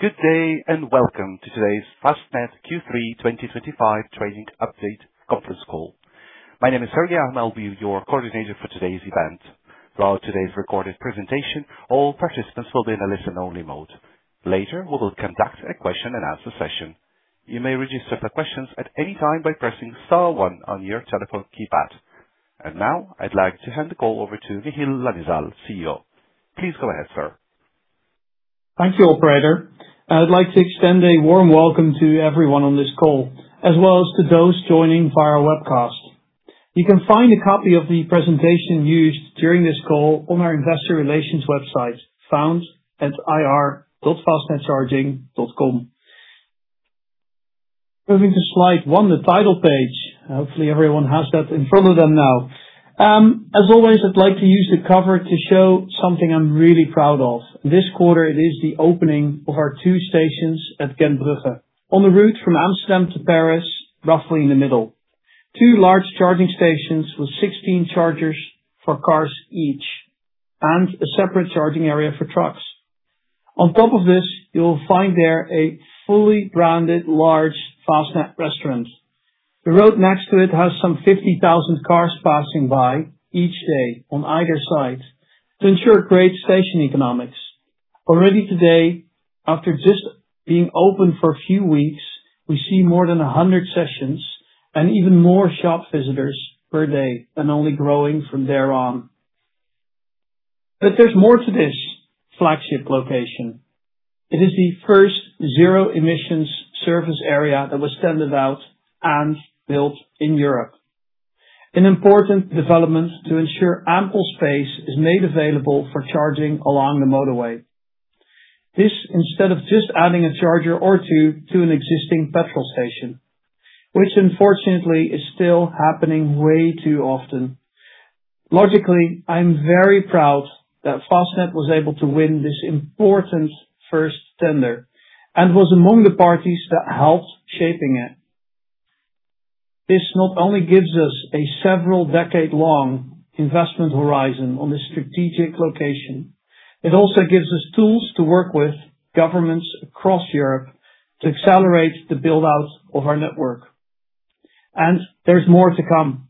Good day and welcome to today's Fastned Q3 2025 trading update conference call. My name is Sergey and I'll be your coordinator for today's event. Throughout today's recorded presentation, all participants will be in a listen-only mode. Later, we will conduct a question-and-answer session. You may register for questions at any time by pressing star one on your telephone keypad. And now, I'd like to hand the call over to Michiel Langezaal, CEO. Please go ahead, sir. Thank you, Operator. I'd like to extend a warm welcome to everyone on this call, as well as to those joining via webcast. You can find a copy of the presentation used during this call on our investor relations website, found at ir.fastnedcharging.com. Moving to slide one, the title page. Hopefully, everyone has that in front of them now. As always, I'd like to use the cover to show something I'm really proud of. This quarter, it is the opening of our two stations at Gentbrugge, on the route from Amsterdam to Paris, roughly in the middle. Two large charging stations with 16 chargers for cars each, and a separate charging area for trucks. On top of this, you will find there a fully branded large Fastned restaurant. The road next to it has some 50,000 cars passing by each day on either side to ensure great station economics. Already today, after just being open for a few weeks, we see more than 100 sessions and even more shop visitors per day, and only growing from there on. But there's more to this flagship location. It is the first zero-emission service area that was tendered out and built in Europe. An important development to ensure ample space is made available for charging along the motorway. This instead of just adding a charger or two to an existing petrol station, which unfortunately is still happening way too often. Logically, I'm very proud that Fastned was able to win this important first tender and was among the parties that helped shaping it. This not only gives us a several-decade-long investment horizon on this strategic location, it also gives us tools to work with governments across Europe to accelerate the build-out of our network. And there's more to come.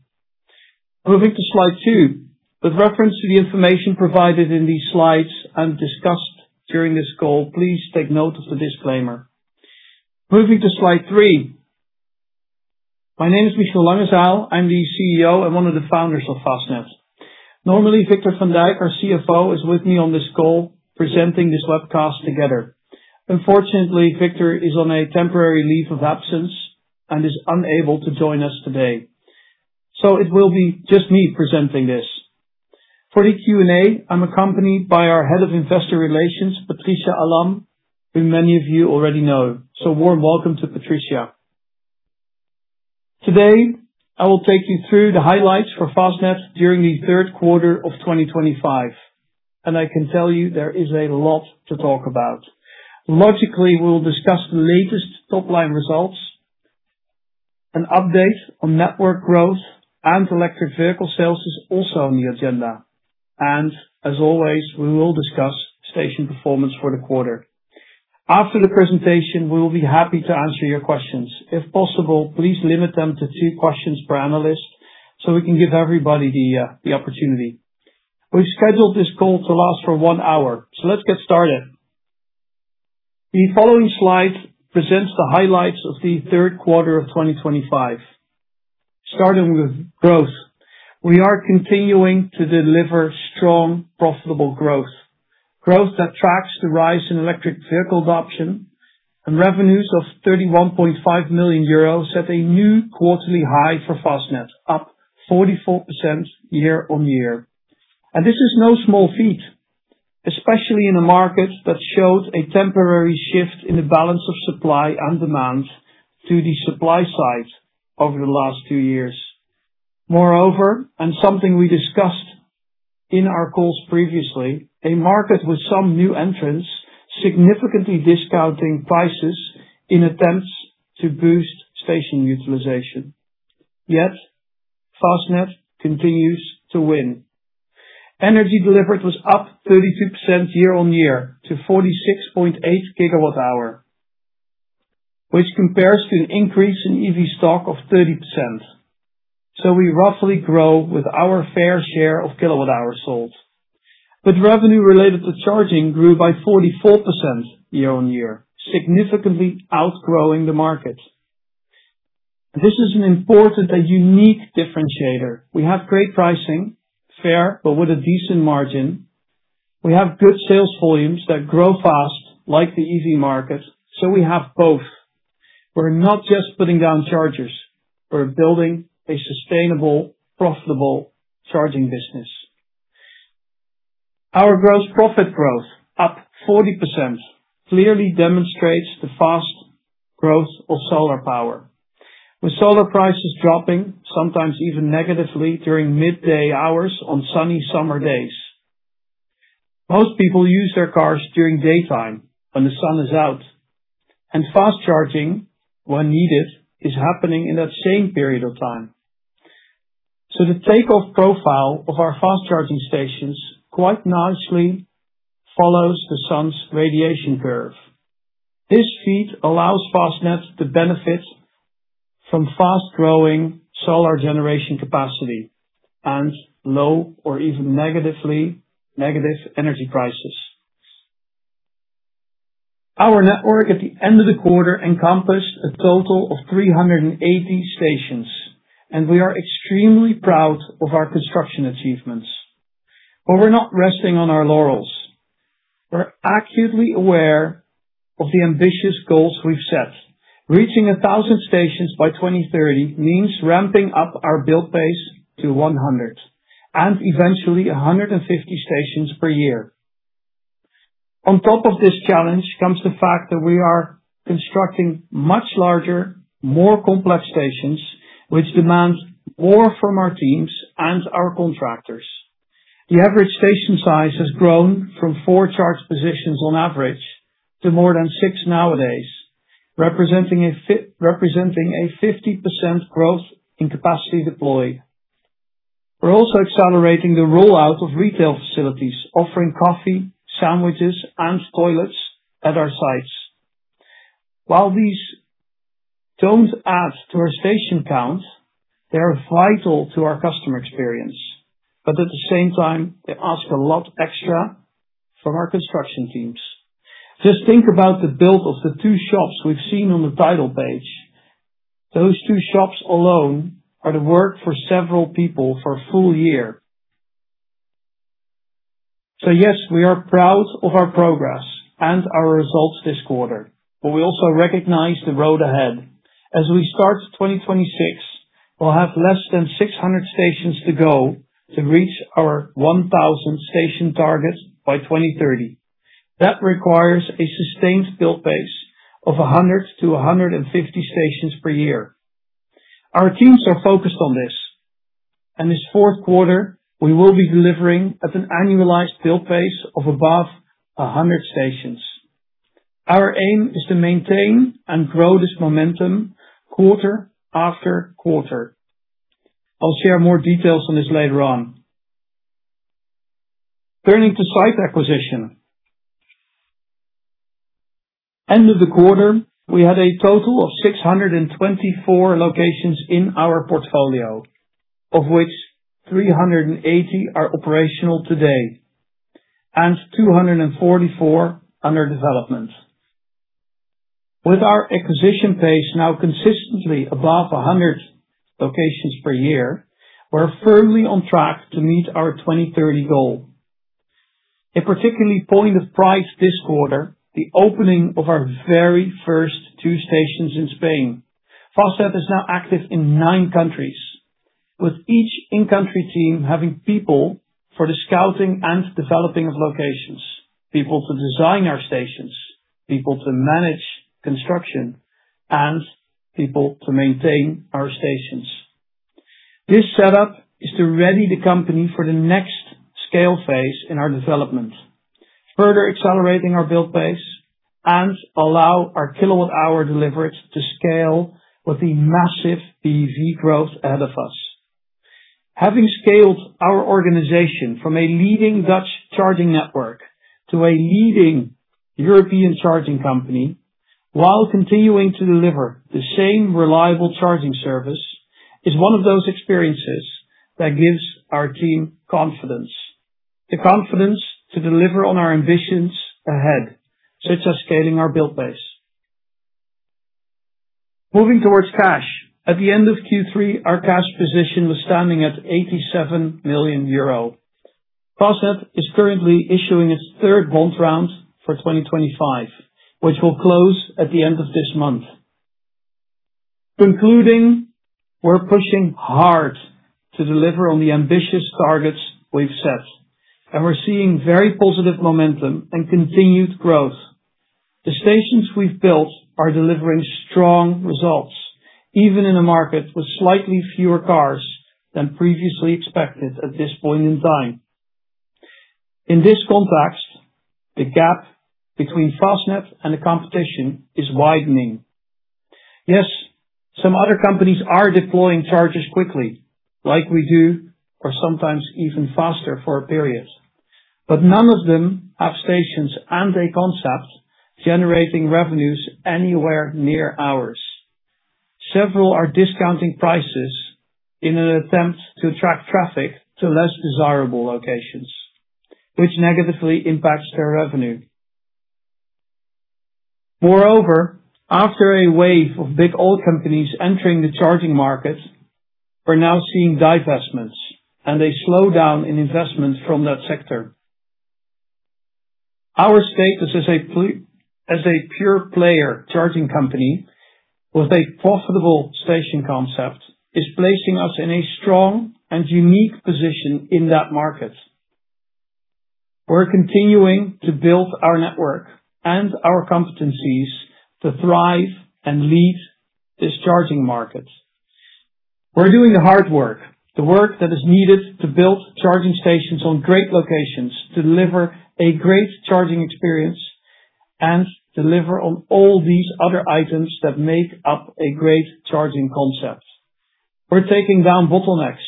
Moving to slide two, with reference to the information provided in these slides and discussed during this call, please take note of the disclaimer. Moving to slide three. My name is Michiel Langezaal. I'm the CEO and one of the founders of Fastned. Normally, Victor van Dijk, our CFO, is with me on this call presenting this webcast together. Unfortunately, Victor is on a temporary leave of absence and is unable to join us today, so it will be just me presenting this. For the Q&A, I'm accompanied by our head of investor relations, Patricia Aelen, whom many of you already know, so a warm welcome to Patricia. Today, I will take you through the highlights for Fastned during the third quarter of 2025, and I can tell you there is a lot to talk about. Logically, we'll discuss the latest top-line results. An update on network growth and electric vehicle sales is also on the agenda. And as always, we will discuss station performance for the quarter. After the presentation, we will be happy to answer your questions. If possible, please limit them to two questions per analyst so we can give everybody the opportunity. We've scheduled this call to last for one hour. So let's get started. The following slide presents the highlights of the third quarter of 2025, starting with growth. We are continuing to deliver strong, profitable growth, growth that tracks the rise in electric vehicle adoption, and revenues of 31.5 million euros set a new quarterly high for Fastned, up 44% year on year. And this is no small feat, especially in a market that showed a temporary shift in the balance of supply and demand to the supply side over the last two years. Moreover, and something we discussed in our calls previously, a market with some new entrants significantly discounting prices in attempts to boost station utilization. Yet, Fastned continues to win. Energy delivered was up 32% year on year to 46.8 GWh, which compares to an increase in EV stock of 30%. So we roughly grow with our fair share of kilowatt-hours sold. But revenue related to charging grew by 44% year on year, significantly outgrowing the market. This is an important and unique differentiator. We have great pricing, fair, but with a decent margin. We have good sales volumes that grow fast, like the EV market. So we have both. We're not just putting down chargers. We're building a sustainable, profitable charging business. Our gross profit growth, up 40%, clearly demonstrates the fast growth of solar power, with solar prices dropping, sometimes even negatively, during midday hours on sunny summer days. Most people use their cars during daytime when the sun is out. And fast charging, when needed, is happening in that same period of time. So the takeoff profile of our fast charging stations quite nicely follows the sun's radiation curve. This feat allows Fastned to benefit from fast-growing solar generation capacity and low or even negative energy prices. Our network at the end of the quarter encompassed a total of 380 stations, and we are extremely proud of our construction achievements. But we're not resting on our laurels. We're acutely aware of the ambitious goals we've set. Reaching 1,000 stations by 2030 means ramping up our build pace to 100 and eventually 150 stations per year. On top of this challenge comes the fact that we are constructing much larger, more complex stations, which demand more from our teams and our contractors. The average station size has grown from four charge positions on average to more than six nowadays, representing a 50% growth in capacity deployed. We're also accelerating the rollout of retail facilities, offering coffee, sandwiches, and toilets at our sites. While these don't add to our station count, they are vital to our customer experience. But at the same time, they ask a lot extra from our construction teams. Just think about the build of the two shops we've seen on the title page. Those two shops alone are the work for several people for a full year. So yes, we are proud of our progress and our results this quarter. But we also recognize the road ahead. As we start 2026, we'll have less than 600 stations to go to reach our 1,000 station target by 2030. That requires a sustained build pace of 100-150 stations per year. Our teams are focused on this. And this fourth quarter, we will be delivering at an annualized build pace of above 100 stations. Our aim is to maintain and grow this momentum quarter after quarter. I'll share more details on this later on. Turning to site acquisition. End of the quarter, we had a total of 624 locations in our portfolio, of which 380 are operational today and 244 under development. With our acquisition pace now consistently above 100 locations per year, we're firmly on track to meet our 2030 goal. A particular point of pride this quarter is the opening of our very first two stations in Spain. Fastned is now active in nine countries, with each in-country team having people for the scouting and developing of locations, people to design our stations, people to manage construction, and people to maintain our stations. This setup is to ready the company for the next scale phase in our development, further accelerating our build pace and allowing our kilowatt-hour delivery to scale with the massive EV growth ahead of us. Having scaled our organization from a leading Dutch charging network to a leading European charging company, while continuing to deliver the same reliable charging service, is one of those experiences that gives our team confidence, the confidence to deliver on our ambitions ahead, such as scaling our build pace. Moving towards cash. At the end of Q3, our cash position was standing at 87 million euro. Fastned is currently issuing its third bond round for 2025, which will close at the end of this month. Concluding, we're pushing hard to deliver on the ambitious targets we've set. And we're seeing very positive momentum and continued growth. The stations we've built are delivering strong results, even in a market with slightly fewer cars than previously expected at this point in time. In this context, the gap between Fastned and the competition is widening. Yes, some other companies are deploying chargers quickly, like we do, or sometimes even faster for a period. But none of them have stations and a concept generating revenues anywhere near ours. Several are discounting prices in an attempt to attract traffic to less desirable locations, which negatively impacts their revenue. Moreover, after a wave of big old companies entering the charging market, we're now seeing divestments and a slowdown in investment from that sector. Our status as a pure player charging company with a profitable station concept is placing us in a strong and unique position in that market. We're continuing to build our network and our competencies to thrive and lead this charging market. We're doing the hard work, the work that is needed to build charging stations on great locations, to deliver a great charging experience, and deliver on all these other items that make up a great charging concept. We're taking down bottlenecks.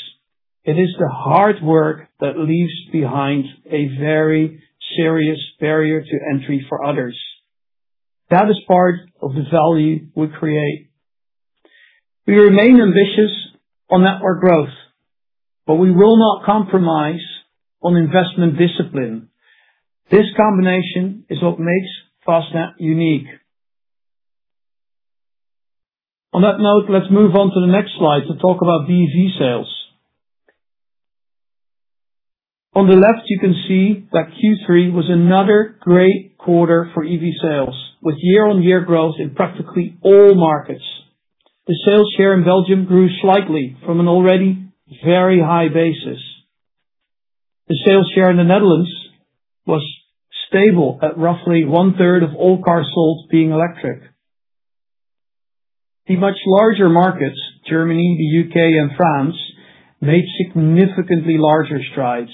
It is the hard work that leaves behind a very serious barrier to entry for others. That is part of the value we create. We remain ambitious on network growth, but we will not compromise on investment discipline. This combination is what makes Fastned unique. On that note, let's move on to the next slide to talk about EV sales. On the left, you can see that Q3 was another great quarter for EV sales, with year-on-year growth in practically all markets. The sales share in Belgium grew slightly from an already very high basis. The sales share in the Netherlands was stable at roughly one-third of all cars sold being electric. The much larger markets, Germany, the U.K., and France, made significantly larger strides,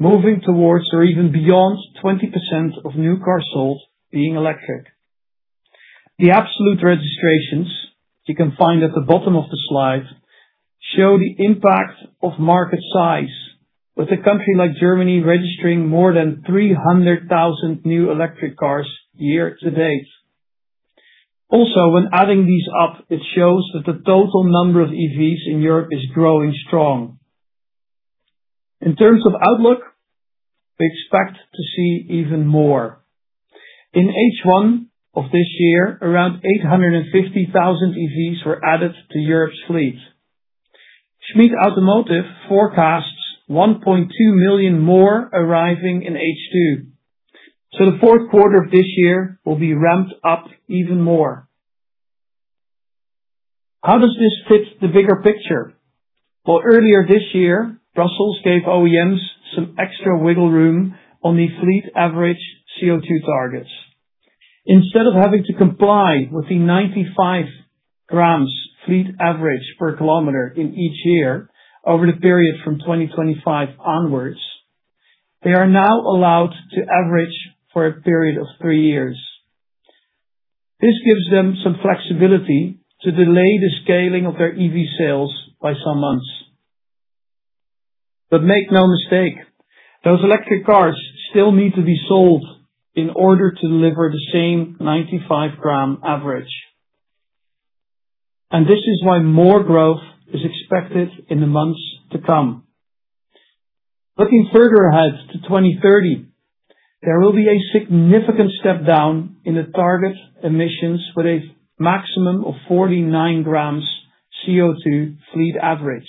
moving towards or even beyond 20% of new cars sold being electric. The absolute registrations you can find at the bottom of the slide show the impact of market size, with a country like Germany registering more than 300,000 new electric cars year to date. Also, when adding these up, it shows that the total number of EVs in Europe is growing strong. In terms of outlook, we expect to see even more. In H1 of this year, around 850,000 EVs were added to Europe's fleet. Schmidt Automotive forecasts 1.2 million more arriving in H2, so the fourth quarter of this year will be ramped up even more. How does this fit the bigger picture, well, earlier this year, Brussels gave OEMs some extra wiggle room on the fleet average CO2 targets. Instead of having to comply with the 95 grams fleet average per kilometer in each year over the period from 2025 onwards, they are now allowed to average for a period of three years. This gives them some flexibility to delay the scaling of their EV sales by some months, but make no mistake, those electric cars still need to be sold in order to deliver the same 95-gram average. And this is why more growth is expected in the months to come. Looking further ahead to 2030, there will be a significant step down in the target emissions with a maximum of 49 grams CO2 fleet average.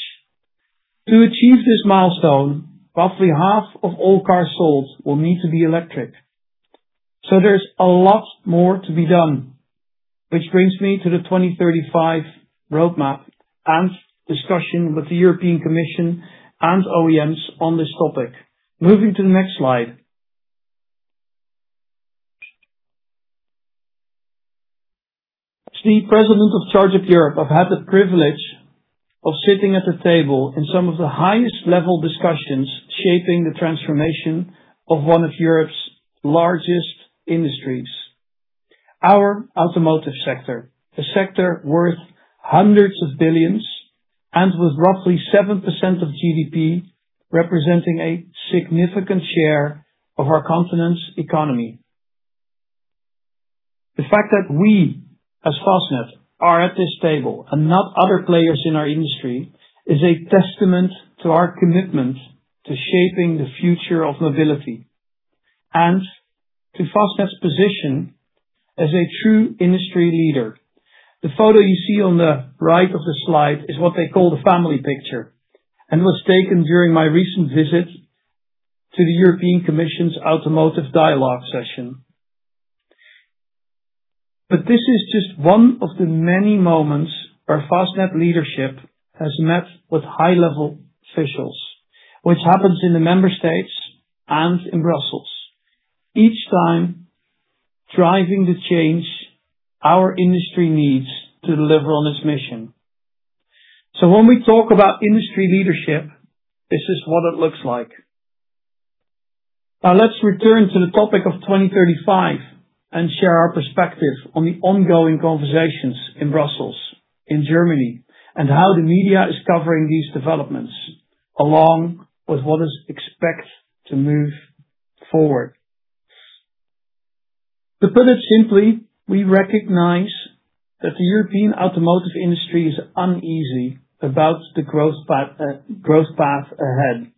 To achieve this milestone, roughly half of all cars sold will need to be electric. So there's a lot more to be done, which brings me to the 2035 roadmap and discussion with the European Commission and OEMs on this topic. Moving to the next slide. As the President of ChargeUp Europe, I've had the privilege of sitting at a table in some of the highest-level discussions shaping the transformation of one of Europe's largest industries, our automotive sector, a sector worth hundreds of billions and with roughly 7% of GDP representing a significant share of our continent's economy. The fact that we, as Fastned, are at this table and not other players in our industry is a testament to our commitment to shaping the future of mobility and to Fastned's position as a true industry leader. The photo you see on the right of the slide is what they call the family picture and was taken during my recent visit to the European Commission's Automotive Dialogue session. But this is just one of the many moments where Fastned leadership has met with high-level officials, which happens in the member states and in Brussels, each time driving the change our industry needs to deliver on its mission, so when we talk about industry leadership, this is what it looks like. Now, let's return to the topic of 2035 and share our perspective on the ongoing conversations in Brussels, in Germany, and how the media is covering these developments along with what is expected to move forward. To put it simply, we recognize that the European automotive industry is uneasy about the growth path ahead.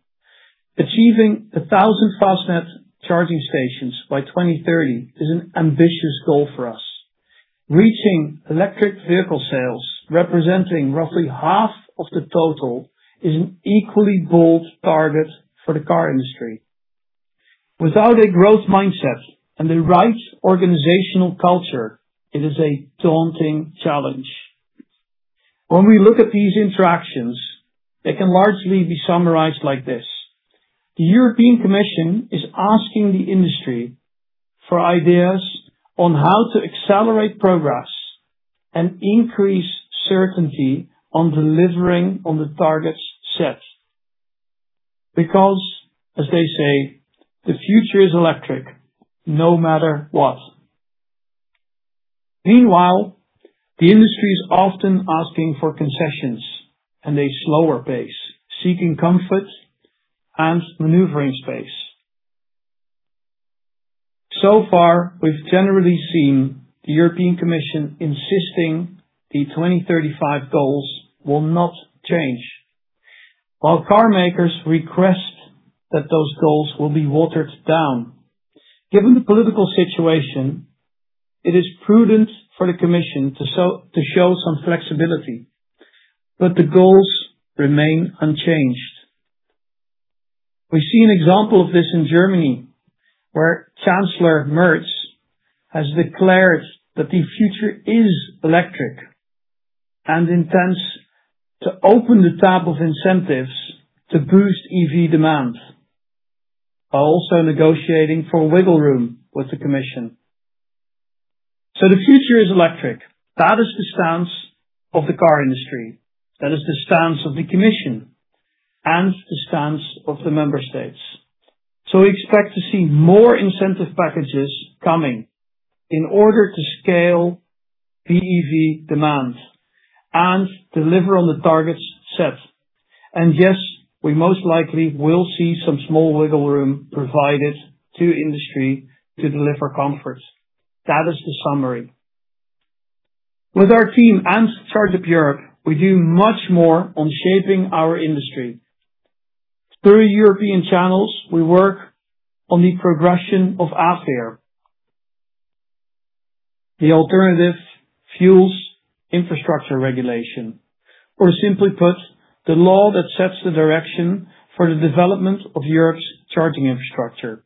Achieving 1,000 Fastned charging stations by 2030 is an ambitious goal for us. Reaching electric vehicle sales, representing roughly half of the total, is an equally bold target for the car industry. Without a growth mindset and the right organizational culture, it is a daunting challenge. When we look at these interactions, they can largely be summarized like this: The European Commission is asking the industry for ideas on how to accelerate progress and increase certainty on delivering on the targets set. Because, as they say, the future is electric, no matter what. Meanwhile, the industry is often asking for concessions and a slower pace, seeking comfort and maneuvering space. So far, we've generally seen the European Commission insisting the 2035 goals will not change, while car makers request that those goals will be watered down. Given the political situation, it is prudent for the Commission to show some flexibility, but the goals remain unchanged. We see an example of this in Germany, where Chancellor Merz has declared that the future is electric and intends to open the tap of incentives to boost EV demand, while also negotiating for wiggle room with the Commission. So the future is electric. That is the stance of the car industry. That is the stance of the Commission and the stance of the member states. So we expect to see more incentive packages coming in order to scale BEV demand and deliver on the targets set. And yes, we most likely will see some small wiggle room provided to industry to deliver comfort. That is the summary. With our team and ChargeUp Europe, we do much more on shaping our industry. Through European channels, we work on the progression of AFIR, the Alternative Fuels Infrastructure Regulation, or simply put, the law that sets the direction for the development of Europe's charging infrastructure.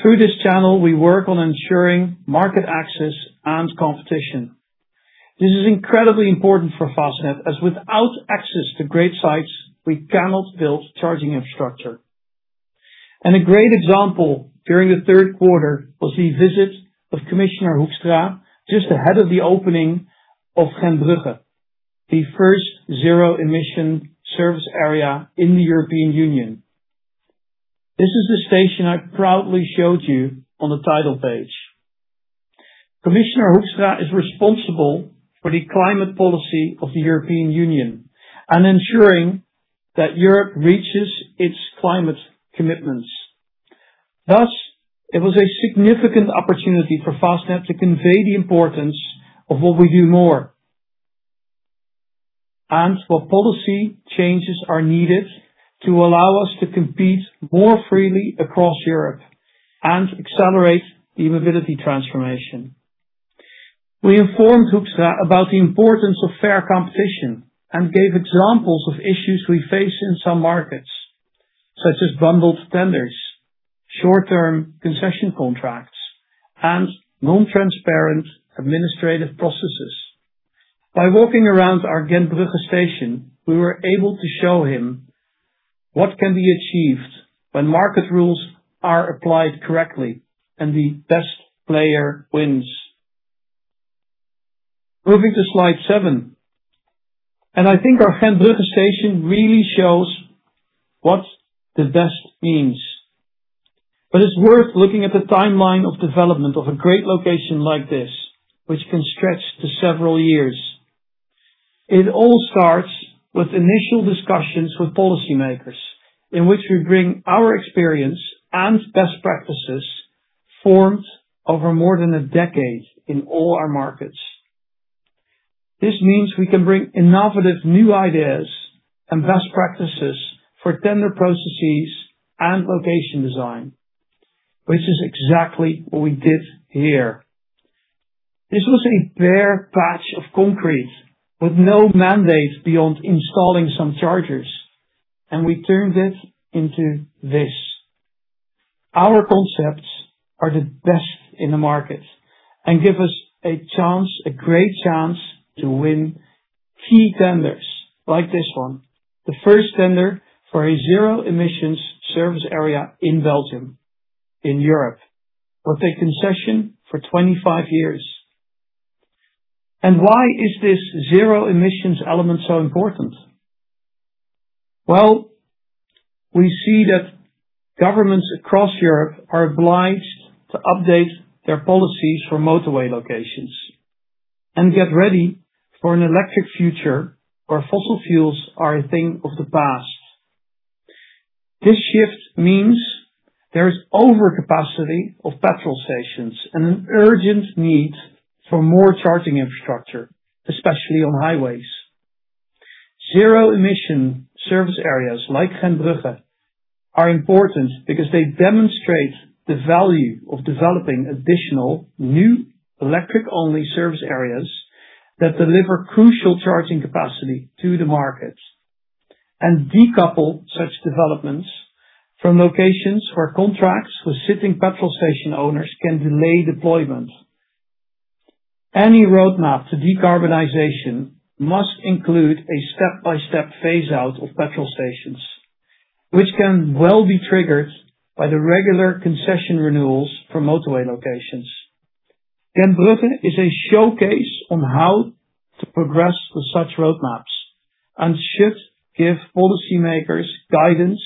Through this channel, we work on ensuring market access and competition. This is incredibly important for Fastned, as without access to great sites, we cannot build charging infrastructure. And a great example during the third quarter was the visit of Commissioner Hoekstra just ahead of the opening of Gentbrugge, the first zero-emission service area in the European Union. This is the station I proudly showed you on the title page. Commissioner Hoekstra is responsible for the climate policy of the European Union and ensuring that Europe reaches its climate commitments. Thus, it was a significant opportunity for Fastned to convey the importance of what we do more and what policy changes are needed to allow us to compete more freely across Europe and accelerate the mobility transformation. We informed Hoekstra about the importance of fair competition and gave examples of issues we face in some markets, such as bundled tenders, short-term concession contracts, and non-transparent administrative processes. By walking around our Gentbrugge station, we were able to show him what can be achieved when market rules are applied correctly and the best player wins. Moving to slide seven, and I think our Gentbrugge station really shows what the best means. But it's worth looking at the timeline of development of a great location like this, which can stretch to several years. It all starts with initial discussions with policymakers in which we bring our experience and best practices formed over more than a decade in all our markets. This means we can bring innovative new ideas and best practices for tender processes and location design, which is exactly what we did here. This was a bare patch of concrete with no mandate beyond installing some chargers, and we turned it into this. Our concepts are the best in the market and give us a chance, a great chance to win key tenders like this one, the first tender for a zero-emissions service area in Belgium, in Europe, with a concession for 25 years. And why is this zero-emissions element so important? We see that governments across Europe are obliged to update their policies for motorway locations and get ready for an electric future where fossil fuels are a thing of the past. This shift means there is overcapacity of petrol stations and an urgent need for more charging infrastructure, especially on highways. Zero-emission service areas like Gentbrugge are important because they demonstrate the value of developing additional new electric-only service areas that deliver crucial charging capacity to the market and decouple such developments from locations where contracts with sitting petrol station owners can delay deployment. Any roadmap to decarbonization must include a step-by-step phase-out of petrol stations, which can well be triggered by the regular concession renewals for motorway locations. Gentbrugge is a showcase on how to progress with such roadmaps and should give policymakers guidance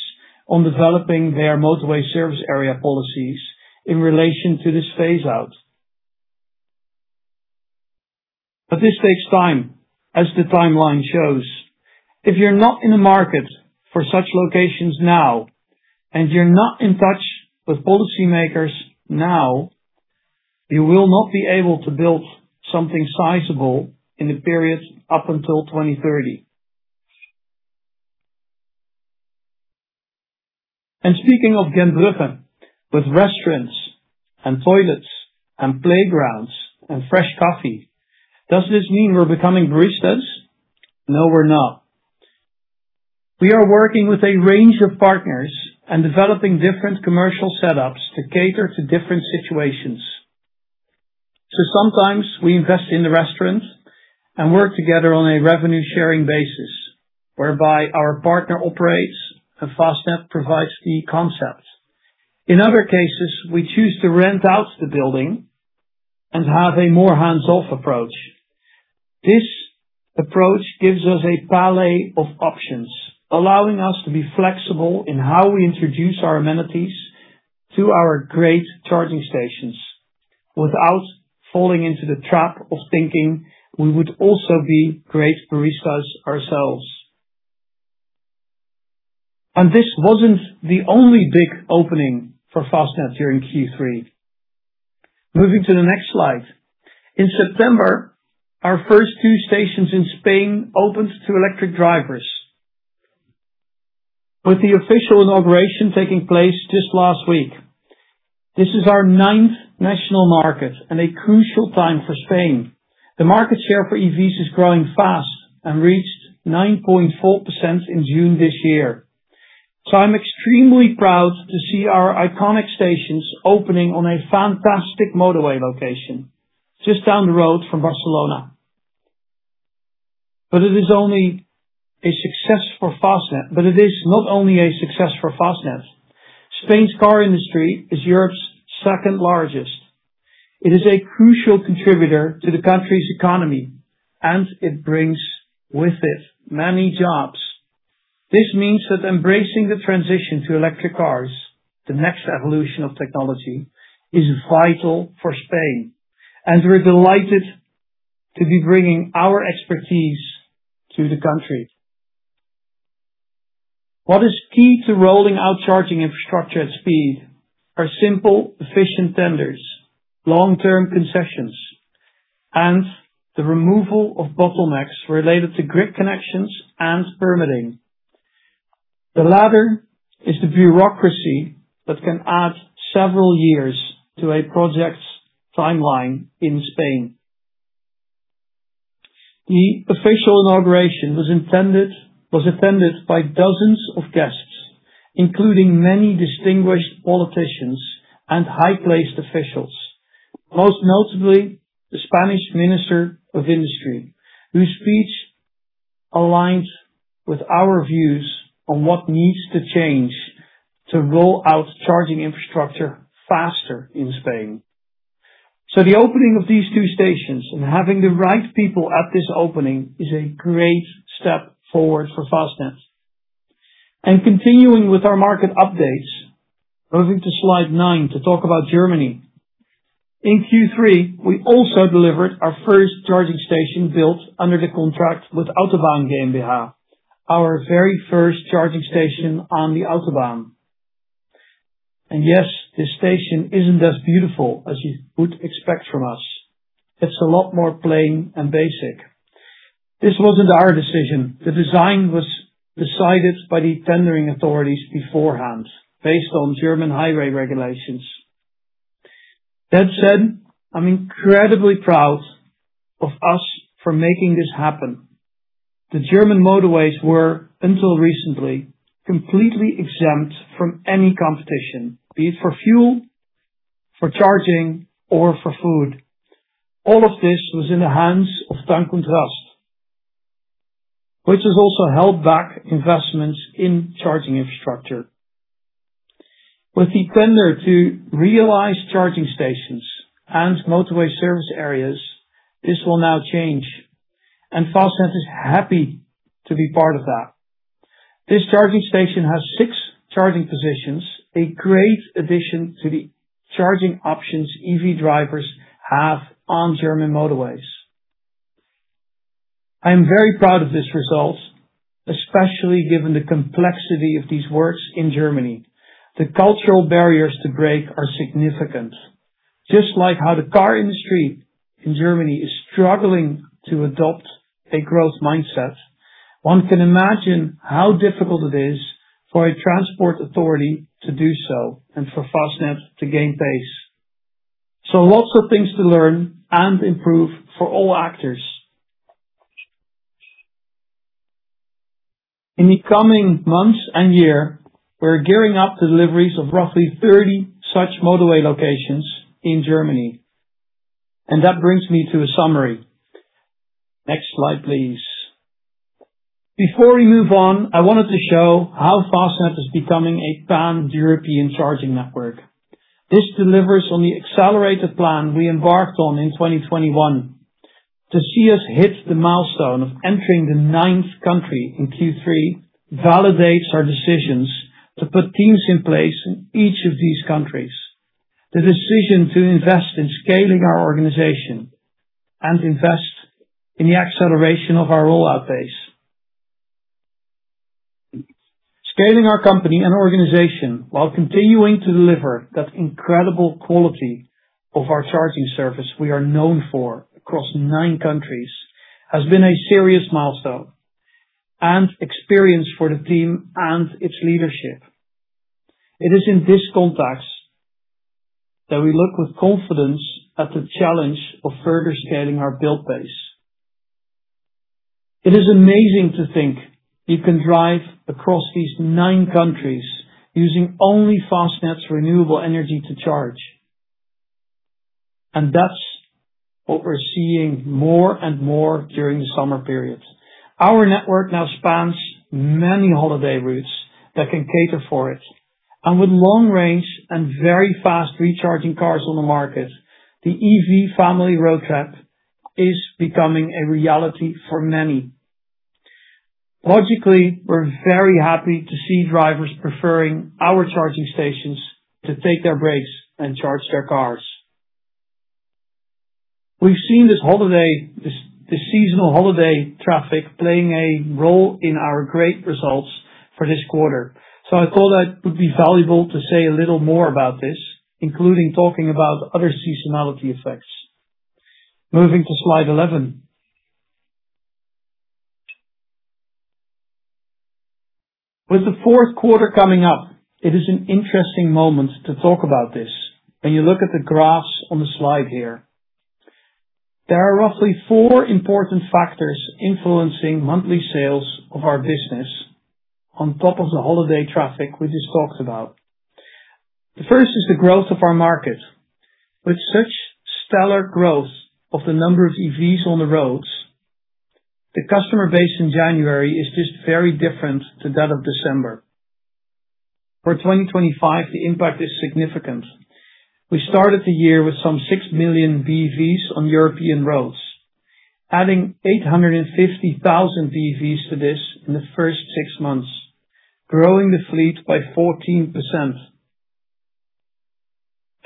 on developing their motorway service area policies in relation to this phase-out. But this takes time, as the timeline shows. If you're not in the market for such locations now and you're not in touch with policymakers now, you will not be able to build something sizable in the period up until 2030. And speaking of Gentbrugge, with restaurants and toilets and playgrounds and fresh coffee, does this mean we're becoming baristas? No, we're not. We are working with a range of partners and developing different commercial setups to cater to different situations. So sometimes we invest in the restaurant and work together on a revenue-sharing basis whereby our partner operates and Fastned provides the concept. In other cases, we choose to rent out the building and have a more hands-off approach. This approach gives us a palette of options, allowing us to be flexible in how we introduce our amenities to our great charging stations without falling into the trap of thinking we would also be great baristas ourselves. And this wasn't the only big opening for Fastned during Q3. Moving to the next slide. In September, our first two stations in Spain opened to electric drivers, with the official inauguration taking place just last week. This is our ninth national market and a crucial time for Spain. The market share for EVs is growing fast and reached 9.4% in June this year. So I'm extremely proud to see our iconic stations opening on a fantastic motorway location just down the road from Barcelona. But it is only a success for Fastned. But it is not only a success for Fastned. Spain's car industry is Europe's second largest. It is a crucial contributor to the country's economy, and it brings with it many jobs. This means that embracing the transition to electric cars, the next evolution of technology, is vital for Spain, and we're delighted to be bringing our expertise to the country. What is key to rolling out charging infrastructure at speed are simple, efficient tenders, long-term concessions, and the removal of bottlenecks related to grid connections and permitting. The latter is the bureaucracy that can add several years to a project's timeline in Spain. The official inauguration was attended by dozens of guests, including many distinguished politicians and highly placed officials, most notably the Spanish Minister of Industry, whose speech aligned with our views on what needs to change to roll out charging infrastructure faster in Spain. So the opening of these two stations and having the right people at this opening is a great step forward for Fastned. And continuing with our market updates, moving to slide nine to talk about Germany. In Q3, we also delivered our first charging station built under the contract with Autobahn GmbH, our very first charging station on the Autobahn. And yes, this station isn't as beautiful as you would expect from us. It's a lot more plain and basic. This wasn't our decision. The design was decided by the tendering authorities beforehand based on German highway regulations. That said, I'm incredibly proud of us for making this happen. The German motorways were, until recently, completely exempt from any competition, be it for fuel, for charging, or for food. All of this was in the hands of Tank & Rast, which has also held back investments in charging infrastructure. With the tender to realize charging stations and motorway service areas, this will now change, and Fastned is happy to be part of that. This charging station has six charging positions, a great addition to the charging options EV drivers have on German motorways. I am very proud of this result, especially given the complexity of these works in Germany. The cultural barriers to break are significant. Just like how the car industry in Germany is struggling to adopt a growth mindset, one can imagine how difficult it is for a transport authority to do so and for Fastned to gain pace. So lots of things to learn and improve for all actors. In the coming months and year, we're gearing up deliveries of roughly 30 such motorway locations in Germany. And that brings me to a summary. Next slide, please. Before we move on, I wanted to show how Fastned is becoming a pan-European charging network. This delivers on the accelerated plan we embarked on in 2021. To see us hit the milestone of entering the ninth country in Q3 validates our decisions to put teams in place in each of these countries, the decision to invest in scaling our organization and invest in the acceleration of our rollout base. Scaling our company and organization while continuing to deliver that incredible quality of our charging service we are known for across nine countries has been a serious milestone and experience for the team and its leadership. It is in this context that we look with confidence at the challenge of further scaling our build base. It is amazing to think you can drive across these nine countries using only Fastned's renewable energy to charge. That's what we're seeing more and more during the summer period. Our network now spans many holiday routes that can cater for it. With long-range and very fast recharging cars on the market, the EV family road trip is becoming a reality for many. Logically, we're very happy to see drivers preferring our charging stations to take their breaks and charge their cars. We've seen this holiday, this seasonal holiday traffic playing a role in our great results for this quarter. I thought it would be valuable to say a little more about this, including talking about other seasonality effects. Moving to slide 11. With the fourth quarter coming up, it is an interesting moment to talk about this. When you look at the graphs on the slide here, there are roughly four important factors influencing monthly sales of our business on top of the holiday traffic we just talked about. The first is the growth of our market. With such stellar growth of the number of EVs on the roads, the customer base in January is just very different to that of December. For 2025, the impact is significant. We started the year with some six million BEVs on European roads, adding 850,000 BEVs to this in the first six months, growing the fleet by 14%,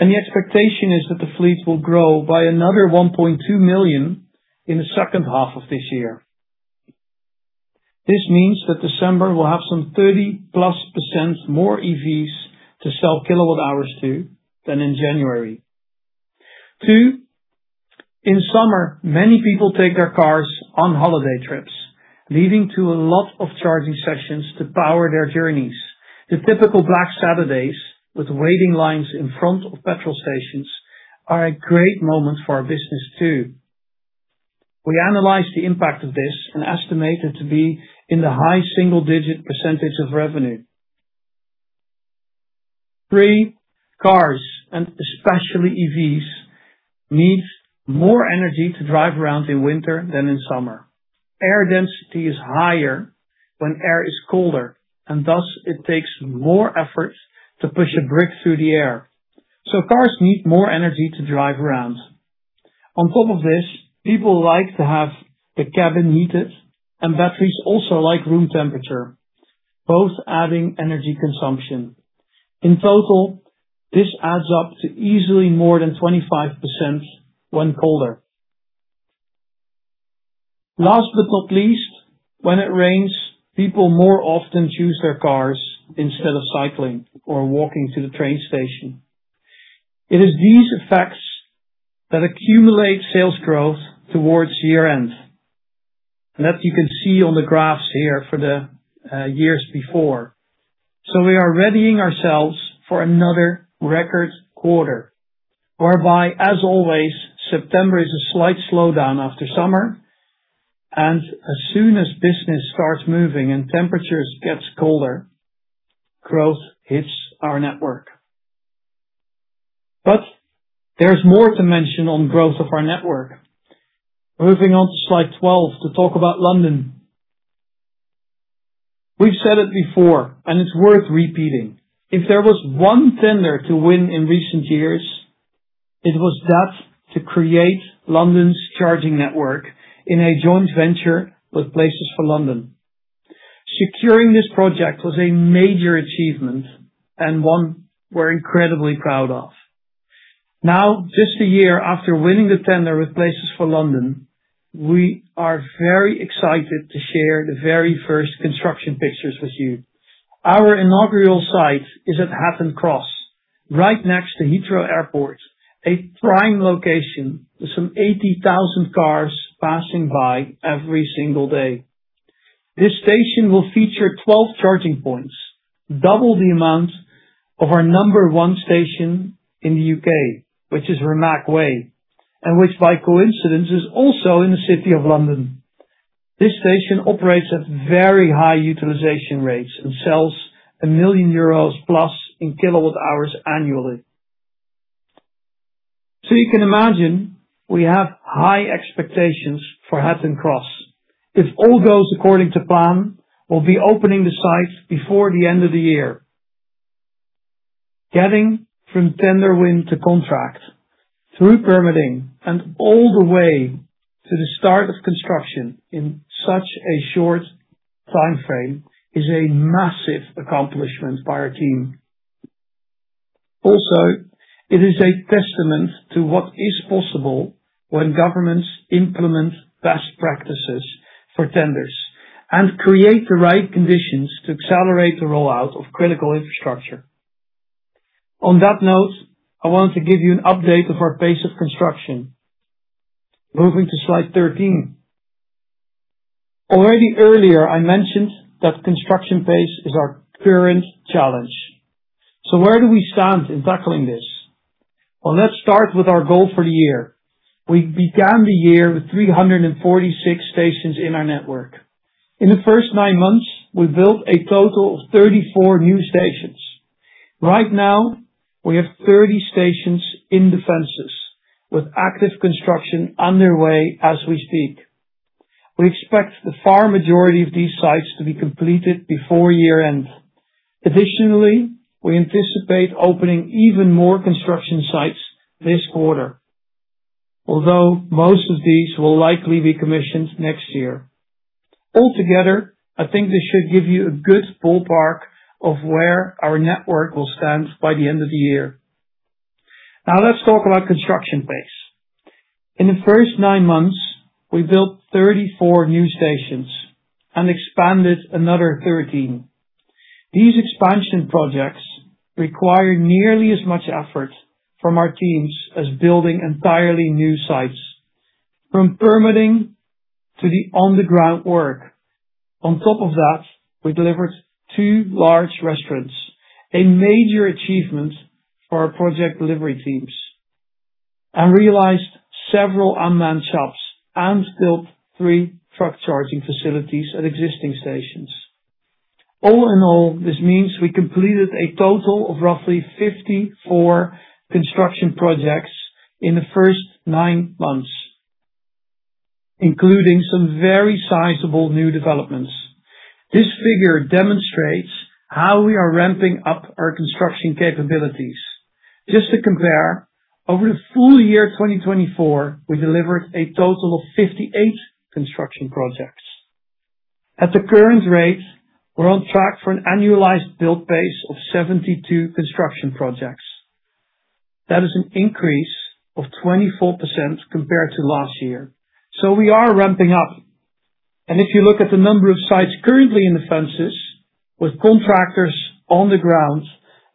and the expectation is that the fleet will grow by another 1.2 million in the second half of this year. This means that December will have some 30-plus% more EVs to sell kilowatt-hours to than in January. Two, in summer, many people take their cars on holiday trips, leading to a lot of charging sessions to power their journeys. The typical Black Saturdays with waiting lines in front of petrol stations are a great moment for our business too. We analyzed the impact of this and estimate it to be in the high single-digit % of revenue. Three, cars, and especially EVs, need more energy to drive around in winter than in summer. Air density is higher when air is colder, and thus it takes more effort to push a brick through the air. So cars need more energy to drive around. On top of this, people like to have the cabin heated, and batteries also like room temperature, both adding energy consumption. In total, this adds up to easily more than 25% when colder. Last but not least, when it rains, people more often choose their cars instead of cycling or walking to the train station. It is these effects that accumulate sales growth towards year-end. And that you can see on the graphs here for the years before. So we are readying ourselves for another record quarter, whereby, as always, September is a slight slowdown after summer. And as soon as business starts moving and temperatures get colder, growth hits our network. But there's more to mention on growth of our network. Moving on to slide 12 to talk about London. We've said it before, and it's worth repeating. If there was one tender to win in recent years, it was that to create London's charging network in a joint venture with Places for London. Securing this project was a major achievement and one we're incredibly proud of. Now, just a year after winning the tender with Places for London, we are very excited to share the very first construction pictures with you. Our inaugural site is at Hatton Cross, right next to Heathrow Airport, a prime location with some 80,000 cars passing by every single day. This station will feature 12 charging points, double the amount of our number one station in the U.K., which is Renwick Road, and which, by coincidence, is also in the city of London. This station operates at very high utilization rates and sells 1 million euros plus in kilowatt-hours annually. So you can imagine we have high expectations for Hatton Cross. If all goes according to plan, we'll be opening the site before the end of the year. Getting from tender win to contract through permitting and all the way to the start of construction in such a short timeframe is a massive accomplishment by our team. Also, it is a testament to what is possible when governments implement best practices for tenders and create the right conditions to accelerate the rollout of critical infrastructure. On that note, I wanted to give you an update of our pace of construction. Moving to slide 13. Already earlier, I mentioned that construction pace is our current challenge. So where do we stand in tackling this? Well, let's start with our goal for the year. We began the year with 346 stations in our network. In the first nine months, we built a total of 34 new stations. Right now, we have 30 stations in different phases with active construction underway as we speak. We expect the vast majority of these sites to be completed before year-end. Additionally, we anticipate opening even more construction sites this quarter, although most of these will likely be commissioned next year. Altogether, I think this should give you a good ballpark of where our network will stand by the end of the year. Now, let's talk about construction pace. In the first nine months, we built 34 new stations and expanded another 13. These expansion projects require nearly as much effort from our teams as building entirely new sites, from permitting to the underground work. On top of that, we delivered two large restaurants, a major achievement for our project delivery teams, and realized several unmanned shops and built three truck charging facilities at existing stations. All in all, this means we completed a total of roughly 54 construction projects in the first nine months, including some very sizable new developments. This figure demonstrates how we are ramping up our construction capabilities. Just to compare, over the full year 2024, we delivered a total of 58 construction projects. At the current rate, we're on track for an annualized build pace of 72 construction projects. That is an increase of 24% compared to last year. So we are ramping up. And if you look at the number of sites currently in development with contractors on the ground,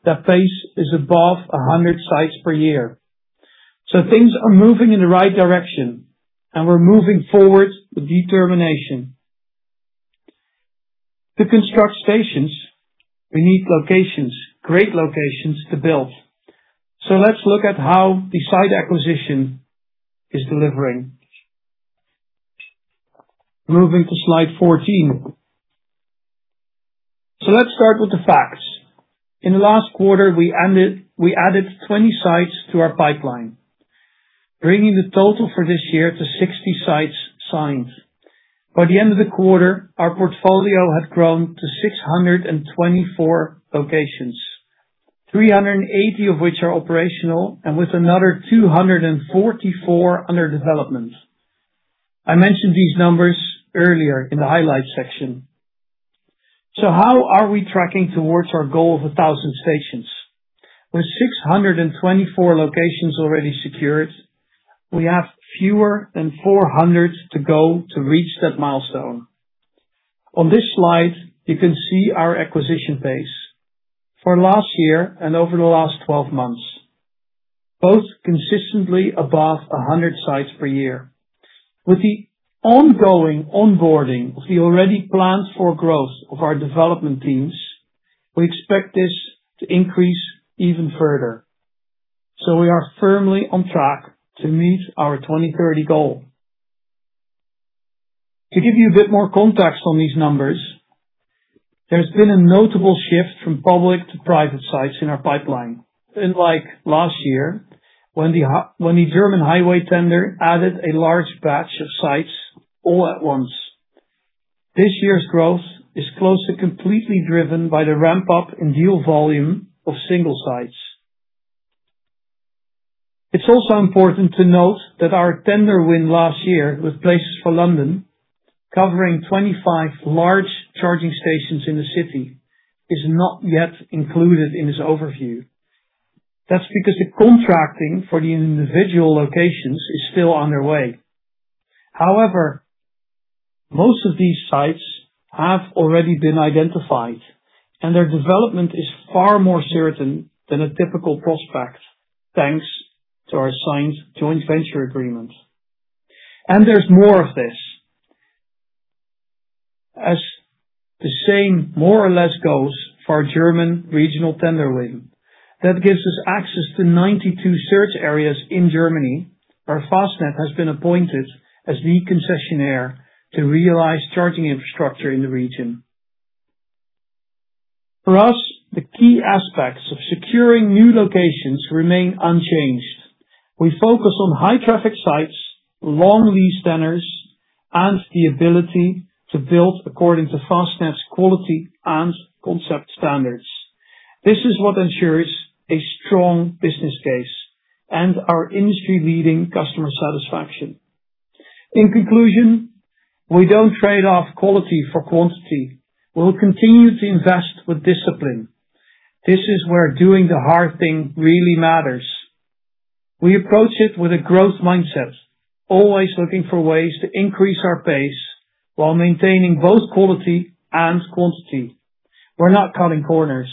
that pace is above 100 sites per year. So things are moving in the right direction, and we're moving forward with determination. To construct stations, we need locations, great locations to build. So let's look at how the site acquisition is delivering. Moving to slide 14. So let's start with the facts. In the last quarter, we added 20 sites to our pipeline, bringing the total for this year to 60 sites signed. By the end of the quarter, our portfolio had grown to 624 locations, 380 of which are operational, and with another 244 under development. I mentioned these numbers earlier in the highlight section. So how are we tracking towards our goal of 1,000 stations? With 624 locations already secured, we have fewer than 400 to go to reach that milestone. On this slide, you can see our acquisition pace for last year and over the last 12 months, both consistently above 100 sites per year. With the ongoing onboarding of the already planned for growth of our development teams, we expect this to increase even further. So we are firmly on track to meet our 2030 goal. To give you a bit more context on these numbers, there's been a notable shift from public to private sites in our pipeline. Unlike last year, when the German highway tender added a large batch of sites all at once, this year's growth is almost completely driven by the ramp-up in deal volume of single sites. It's also important to note that our tender win last year with Places for London, covering 25 large charging stations in the city, is not yet included in this overview. That's because the contracting for the individual locations is still underway. However, most of these sites have already been identified, and their development is far more certain than a typical prospect thanks to our signed joint venture agreement, and there's more of this. As the same more or less goes for German regional tender win, that gives us access to 92 search areas in Germany where Fastned has been appointed as the concessionaire to realize charging infrastructure in the region. For us, the key aspects of securing new locations remain unchanged. We focus on high-traffic sites, long-lease tenders, and the ability to build according to Fastned's quality and concept standards. This is what ensures a strong business case and our industry-leading customer satisfaction. In conclusion, we don't trade off quality for quantity. We'll continue to invest with discipline. This is where doing the hard thing really matters. We approach it with a growth mindset, always looking for ways to increase our pace while maintaining both quality and quantity. We're not cutting corners.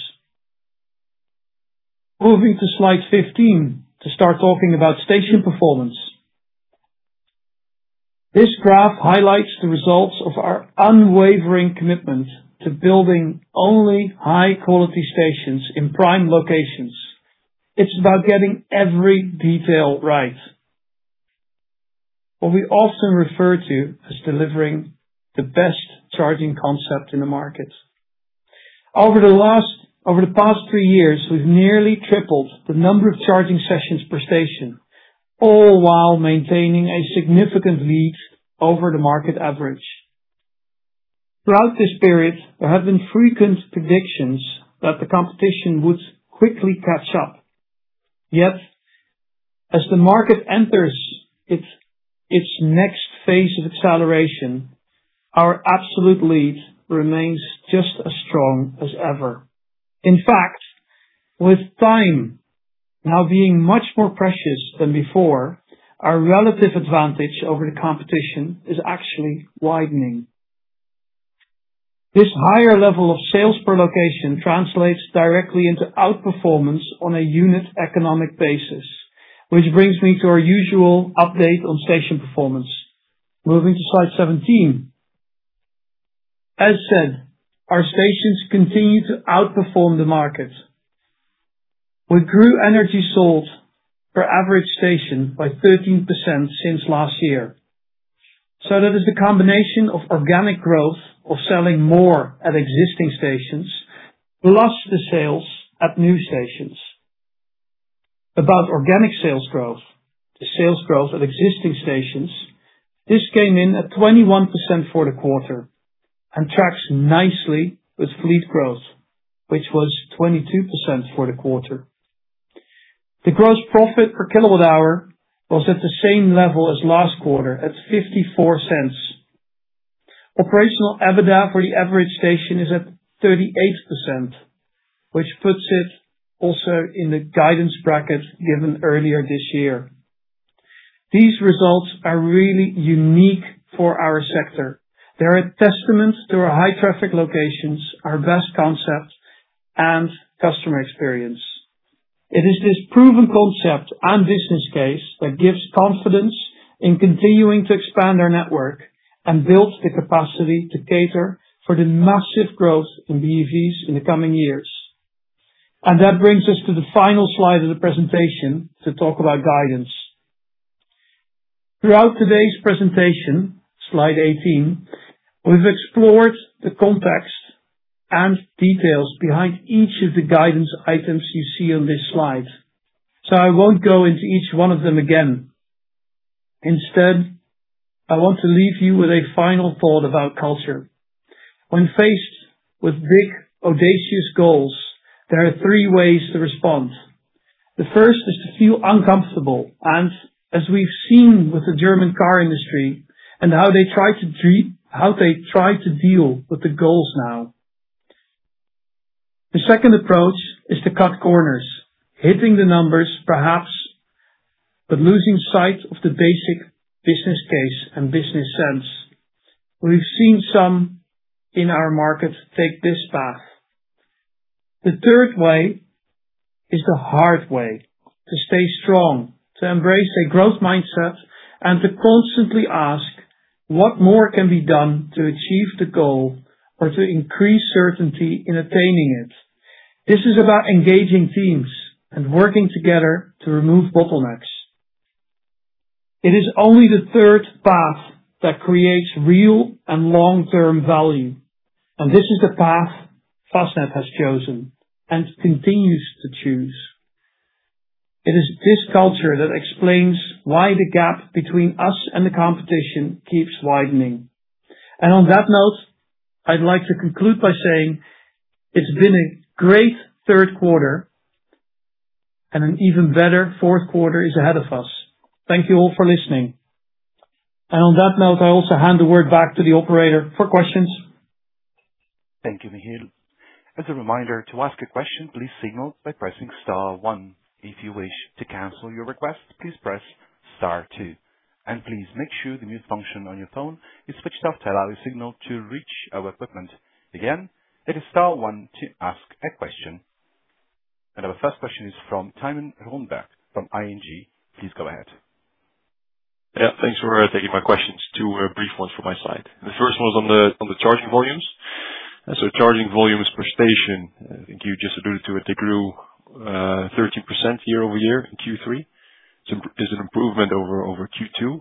Moving to slide 15 to start talking about station performance. This graph highlights the results of our unwavering commitment to building only high-quality stations in prime locations. It's about getting every detail right, what we often refer to as delivering the best charging concept in the market. Over the past three years, we've nearly tripled the number of charging sessions per station, all while maintaining a significant lead over the market average. Throughout this period, there have been frequent predictions that the competition would quickly catch up. Yet, as the market enters its next phase of acceleration, our absolute lead remains just as strong as ever. In fact, with time now being much more precious than before, our relative advantage over the competition is actually widening. This higher level of sales per location translates directly into outperformance on a unit economic basis, which brings me to our usual update on station performance. Moving to slide 17. As said, our stations continue to outperform the market. We grew energy sold per average station by 13% since last year, so that is the combination of organic growth of selling more at existing stations plus the sales at new stations. About organic sales growth, the sales growth at existing stations, this came in at 21% for the quarter and tracks nicely with fleet growth, which was 22% for the quarter. The gross profit per kilowatt-hour was at the same level as last quarter at 0.54. Operational EBITDA for the average station is at 38%, which puts it also in the guidance bracket given earlier this year. These results are really unique for our sector. They're a testament to our high-traffic locations, our best concept, and customer experience. It is this proven concept and business case that gives confidence in continuing to expand our network and build the capacity to cater for the massive growth in BEVs in the coming years. And that brings us to the final slide of the presentation to talk about guidance. Throughout today's presentation, slide 18, we've explored the context and details behind each of the guidance items you see on this slide. So I won't go into each one of them again. Instead, I want to leave you with a final thought about culture. When faced with big, audacious goals, there are three ways to respond. The first is to feel uncomfortable and, as we've seen with the German car industry and how they try to deal with the goals now. The second approach is to cut corners, hitting the numbers perhaps, but losing sight of the basic business case and business sense. We've seen some in our market take this path. The third way is the hard way, to stay strong, to embrace a growth mindset, and to constantly ask what more can be done to achieve the goal or to increase certainty in attaining it. This is about engaging teams and working together to remove bottlenecks. It is only the third path that creates real and long-term value, and this is the path Fastned has chosen and continues to choose. It is this culture that explains why the gap between us and the competition keeps widening, and on that note, I'd like to conclude by saying it's been a great third quarter, and an even better fourth quarter is ahead of us. Thank you all for listening. And on that note, I also hand the word back to the operator for questions. Thank you, Michiel. As a reminder, to ask a question, please signal by pressing Star 1. If you wish to cancel your request, please press Star 2. And please make sure the mute function on your phone is switched off to allow a signal to reach our equipment. Again, it is Star 1 to ask a question. And our first question is from Tijmen Rongen from ING. Please go ahead. Yeah, thanks for taking my questions. Two brief ones from my side. The first one was on the charging volumes. So charging volumes per station, I think you just alluded to it, they grew 13% year over year in Q3. It's an improvement over Q2,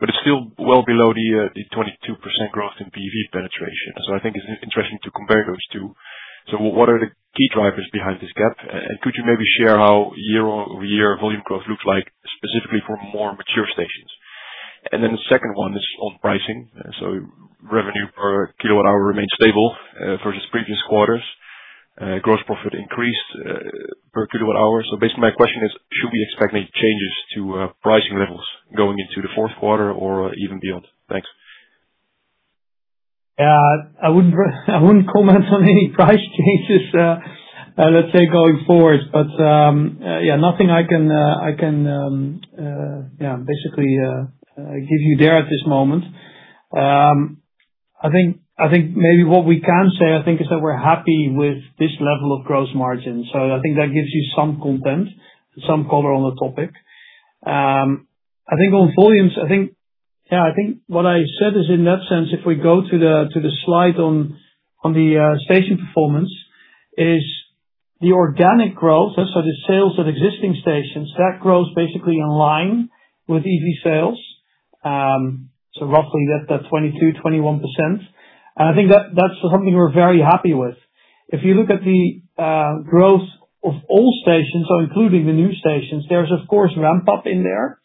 but it's still well below the 22% growth in BEV penetration. So I think it's interesting to compare those two. So what are the key drivers behind this gap? And could you maybe share how year-over-year volume growth looks like specifically for more mature stations? And then the second one is on pricing. So revenue per kilowatt-hour remains stable versus previous quarters. Gross profit increased per kilowatt-hour. So basically, my question is, should we expect any changes to pricing levels going into the fourth quarter or even beyond? Thanks. Yeah, I wouldn't comment on any price changes, let's say, going forward. But yeah, nothing I can, yeah, basically give you there at this moment. I think maybe what we can say, I think, is that we're happy with this level of gross margin. So I think that gives you some content, some color on the topic. I think on volumes, yeah, what I said is in that sense, if we go to the slide on the station performance, is the organic growth, so the sales at existing stations, that grows basically in line with EV sales, so roughly that 22-21%. I think that's something we're very happy with, if you look at the growth of all stations, so including the new stations, there's of course ramp-up in there,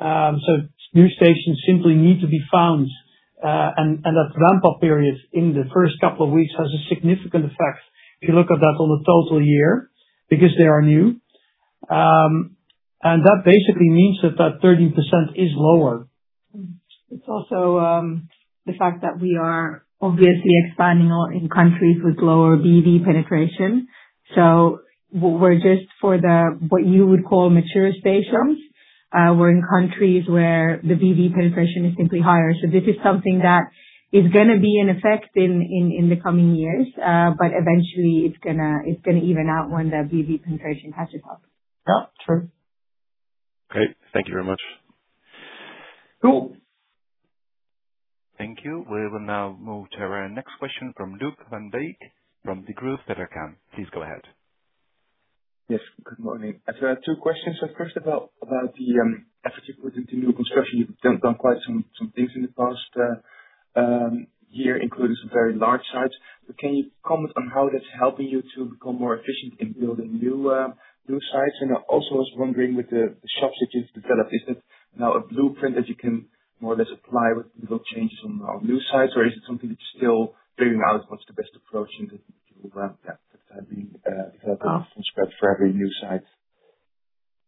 so new stations simply need to be found, and that ramp-up period in the first couple of weeks has a significant effect if you look at that on the total year because they are new, and that basically means that 13% is lower. It's also the fact that we are obviously expanding in countries with lower BEV penetration, so we're just for what you would call mature stations. We're in countries where the BEV penetration is simply higher. So this is something that is going to be in effect in the coming years, but eventually, it's going to even out when the BEV penetration catches up. Yeah, true. Great. Thank you very much. Cool. Thank you. We will now move to our next question from Luuk Van Beek from Degroof Petercam. Please go ahead. Yes, good morning. I have two questions. So first about the effort you put into new construction. You've done quite some things in the past year, including some very large sites. But can you comment on how that's helping you to become more efficient in building new sites? And I also was wondering with the shops that you've developed, is that now a blueprint that you can more or less apply with little changes on new sites? Or is it something that's still figuring out what's the best approach and that you're developing from scratch for every new site?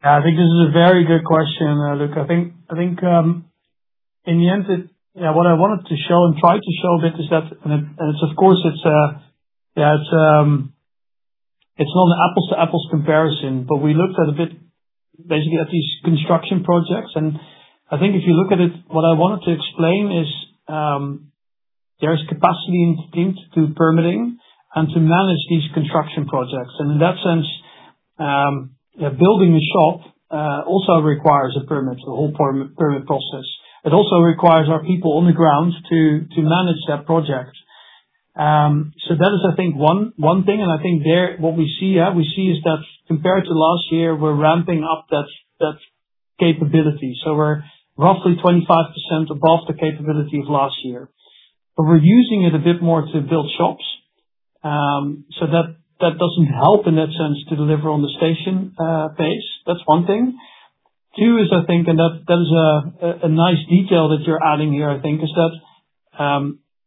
Yeah, I think this is a very good question, Luuk. I think in the end, what I wanted to show and try to show a bit is that, and of course, yeah, it's not an apples-to-apples comparison, but we looked at a bit, basically, at these construction projects, and I think if you look at it, what I wanted to explain is there's capacity in the team to do permitting and to manage these construction projects, and in that sense, building a shop also requires a permit, the whole permit process. It also requires our people on the ground to manage that project. So that is, I think, one thing, and I think what we see is that compared to last year, we're ramping up that capability. We're roughly 25% above the capability of last year. But we're using it a bit more to build shops. So that doesn't help in that sense to deliver on the station base. That's one thing. Two is, I think, and that is a nice detail that you're adding here, I think, is that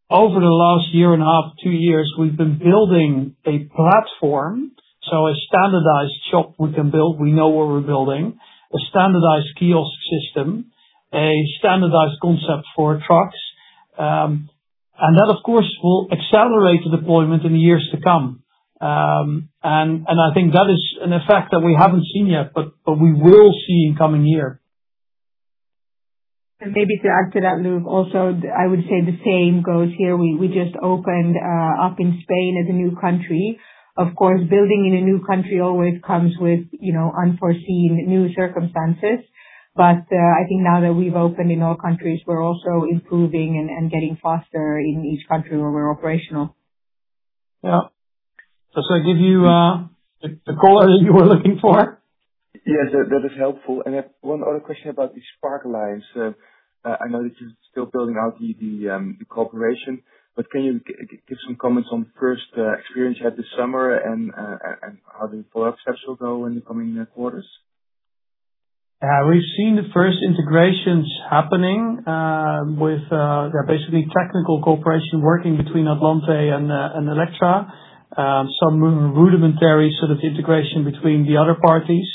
over the last year and a half, two years, we've been building a platform, so a standardized shop we can build. We know what we're building, a standardized kiosk system, a standardized concept for trucks. And that, of course, will accelerate the deployment in the years to come. And I think that is an effect that we haven't seen yet, but we will see in coming years. And maybe to add to that, Luuk, also, I would say the same goes here. We just opened up in Spain as a new country. Of course, building in a new country always comes with unforeseen new circumstances. But I think now that we've opened in all countries, we're also improving and getting faster in each country where we're operational. Yeah. So should I give you the caller that you were looking for? Yes, that is helpful. And one other question about these Uncertain. I know that you're still building out the cooperation, but can you give some comments on the first experience you had this summer and how the products have sort of gone in the coming quarters? Yeah, we've seen the first integrations happening with basically technical cooperation working between Atlante and Electra, some rudimentary sort of integration between the other parties.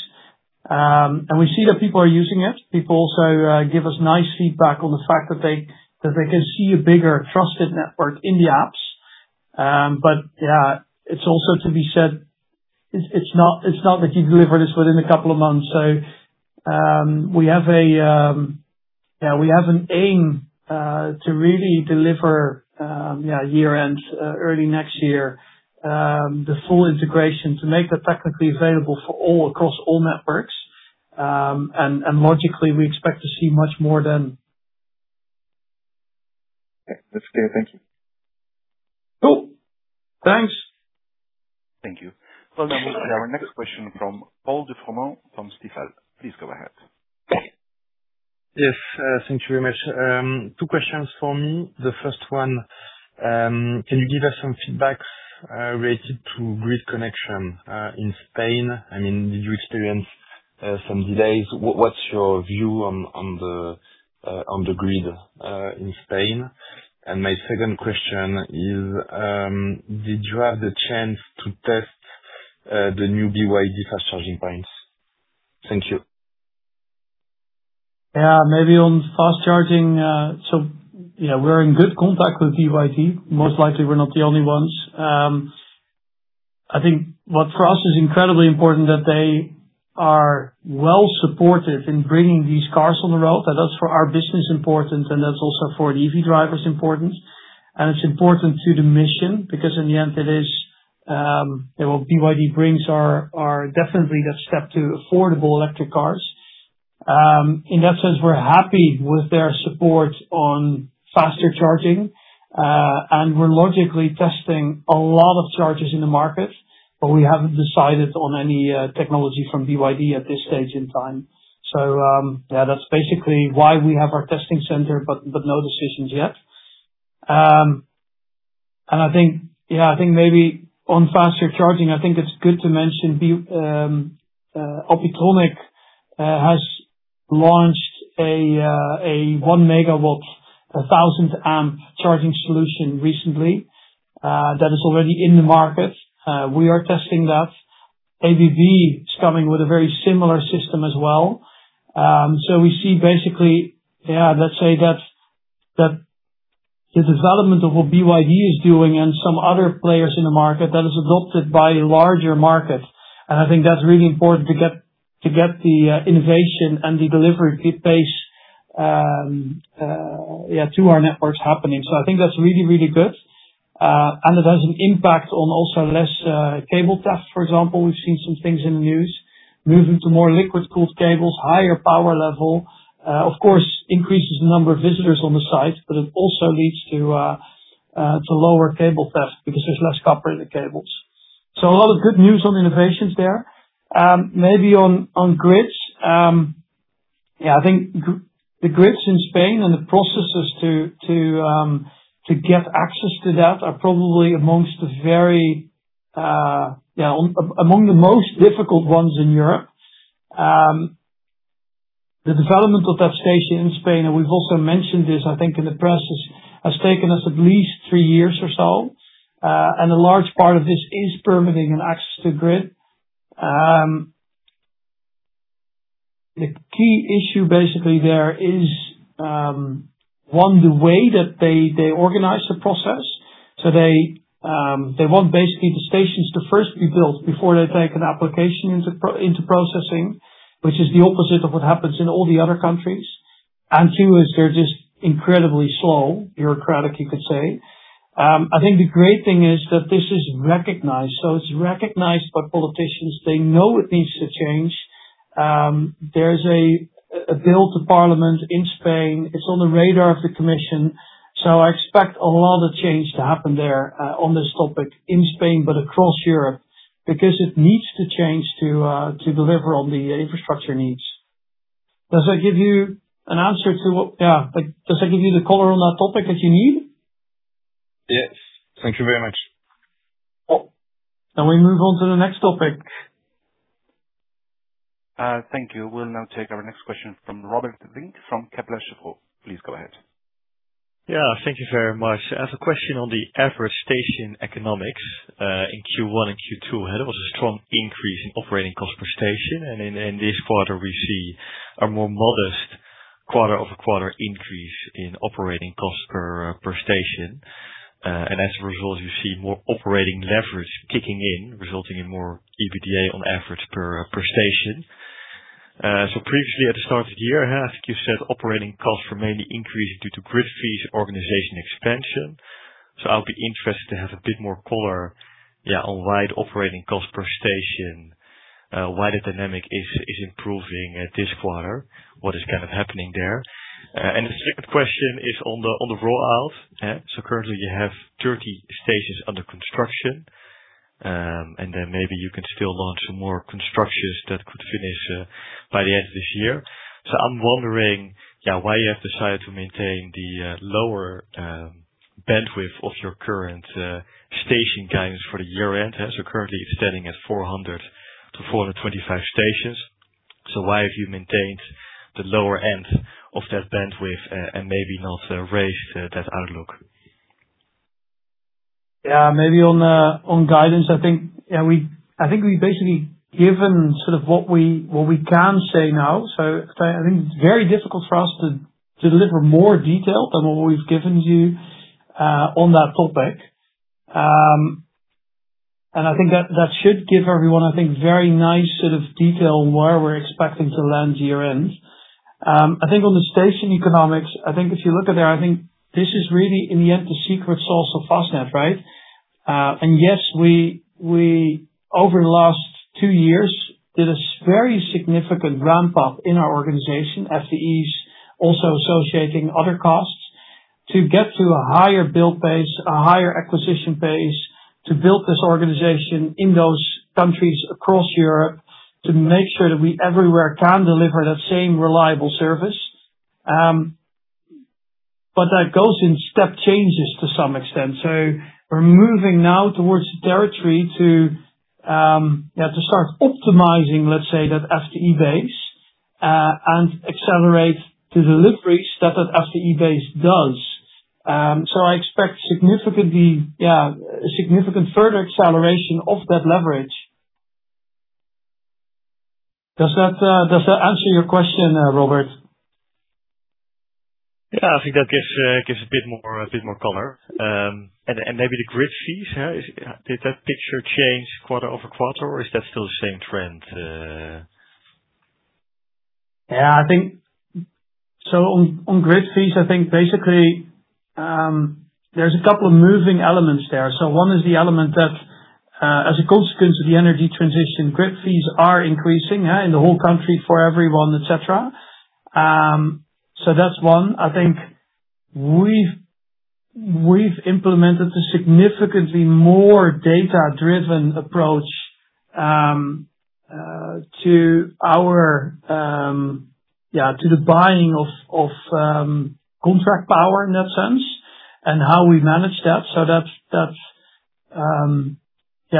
And we see that people are using it. People also give us nice feedback on the fact that they can see a bigger trusted network in the apps. But yeah, it's also to be said, it's not that you deliver this within a couple of months. So we have an aim to really deliver year-end, early next year, the full integration to make that technically available for all across all networks. And logically, we expect to see much more than. Okay. That's clear. Thank you. Cool. Thanks. Thank you. So now we'll have our next question from Paul Duvernet from Stifel. Please go ahead. Yes, thank you very much. Two questions for me. The first one, can you give us some feedback related to grid connection in Spain? I mean, did you experience some delays? What's your view on the grid in Spain? And my second question is, did you have the chance to test the new BYD fast charging points? Thank you. Yeah, maybe on fast charging, so we're in good contact with BYD. Most likely, we're not the only ones. I think what for us is incredibly important that they are well supportive in bringing these cars on the road. That's for our business important, and that's also for the EV drivers important, and it's important to the mission because in the end, it is BYD brings us definitely that step to affordable electric cars. In that sense, we're happy with their support on faster charging, and we're logically testing a lot of chargers in the market, but we haven't decided on any technology from BYD at this stage in time, so yeah, that's basically why we have our testing center, but no decisions yet. And I think, yeah, I think maybe on faster charging, I think it's good to mention Alpitronic has launched a one-megawatt, 1,000-amp charging solution recently that is already in the market. We are testing that. ABB is coming with a very similar system as well. So we see basically, yeah, let's say that the development of what BYD is doing and some other players in the market, that is adopted by a larger market. And I think that's really important to get the innovation and the delivery pace to our networks happening. So I think that's really, really good. And it has an impact on also less cable theft. For example, we've seen some things in the news moving to more liquid-cooled cables, higher power level. Of course, increases the number of visitors on the site, but it also leads to lower cable theft because there's less copper in the cables. So a lot of good news on innovations there. Maybe on grids, yeah, I think the grids in Spain and the processes to get access to that are probably among the most difficult ones in Europe. The development of that station in Spain, and we've also mentioned this, I think in the press, has taken us at least three years or so, and a large part of this is permitting and access to grid. The key issue basically there is, one, the way that they organize the process. So they want basically the stations to first be built before they take an application into processing, which is the opposite of what happens in all the other countries. And two, they're just incredibly slow, bureaucratic, you could say. I think the great thing is that this is recognized. So it's recognized by politicians. They know it needs to change. There's a bill to Parliament in Spain. It's on the radar of the commission. So I expect a lot of change to happen there on this topic in Spain, but across Europe because it needs to change to deliver on the infrastructure needs. Does that give you an answer to what? Yeah. Does that give you the color on that topic that you need? Yes. Thank you very much. Cool. Can we move on to the next topic? Thank you. We'll now take our next question from Robert Vink from Kepler Cheuvreux. Please go ahead. Yeah. Thank you very much. I have a question on the average station economics in Q1 and Q2. There was a strong increase in operating costs per station. And in this quarter, we see a more modest quarter-over-quarter increase in operating costs per station. And as a result, you see more operating leverage kicking in, resulting in more EBITDA on average per station. So previously, at the start of the year, I think you said operating costs were mainly increasing due to grid fees, organization expansion. So I'll be interested to have a bit more color, yeah, on why operating costs per station, why the dynamic is improving this quarter, what is kind of happening there. And the second question is on the rollout. So currently, you have 30 stations under construction. And then maybe you can still launch some more constructions that could finish by the end of this year. So I'm wondering, yeah, why you have decided to maintain the lower bandwidth of your current station guidance for the year-end. So currently, it's standing at 400-425 stations. So why have you maintained the lower end of that bandwidth and maybe not raised that outlook? Yeah. Maybe on guidance, I think, yeah, I think we've basically given sort of what we can say now. So I think it's very difficult for us to deliver more detail than what we've given you on that topic. And I think that should give everyone, I think, very nice sort of detail on where we're expecting to land year-end. I think on the station economics, I think if you look at there, I think this is really, in the end, the secret sauce of Fastned, right? And yes, we over the last two years did a very significant ramp-up in our organization, FTEs, also associating other costs to get to a higher build pace, a higher acquisition pace to build this organization in those countries across Europe to make sure that we everywhere can deliver that same reliable service. But that goes in step changes to some extent. So we're moving now towards the territory to, yeah, to start optimizing, let's say, that FTE base and accelerate the deliveries that that FTE base does. So I expect significantly, yeah, a significant further acceleration of that leverage. Does that answer your question, Robert? Yeah. I think that gives a bit more color. And maybe the grid fees, did that picture change quarter over quarter, or is that still the same trend? Yeah. So on grid fees, I think basically there's a couple of moving elements there. So one is the element that as a consequence of the energy transition, grid fees are increasing in the whole country for everyone, etc. So that's one. I think we've implemented a significantly more data-driven approach to our, yeah, to the buying of contract power in that sense and how we manage that. So that's, yeah,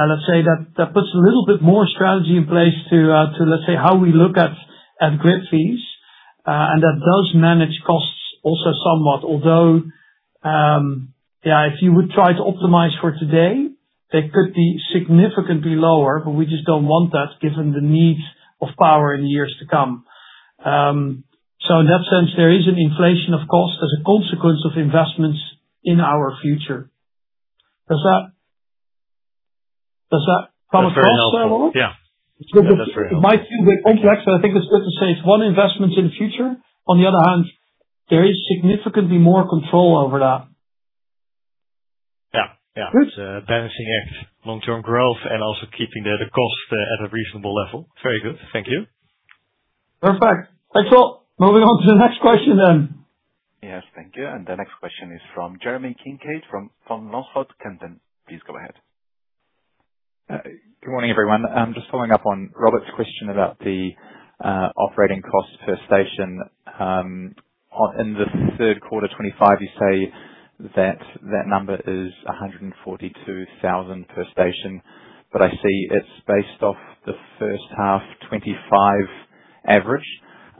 let's say that that puts a little bit more strategy in place to, let's say, how we look at grid fees. And that does manage costs also somewhat. Although, yeah, if you would try to optimize for today, they could be significantly lower, but we just don't want that given the need of power in years to come. So in that sense, there is an inflation of cost as a consequence of investments in our future. Does that come across there, Robert? Yeah. That's very helpful. It might feel a bit complex, but I think it's good to say it's one investment in the future. On the other hand, there is significantly more control over that. Yeah. Yeah. It's balancing act, long-term growth, and also keeping the cost at a reasonable level. Very good. Thank you. Perfect. Thanks a lot. Moving on to the next question then. Yes. Thank you. And the next question is from Jeremy Kincaid from Van Lanschot Kempen. Please go ahead. Good morning, everyone. I'm just following up on Robert's question about the operating cost per station. In the third quarter 2025, you say that that number is 142,000 per station, but I see it's based off the first half 2025 average.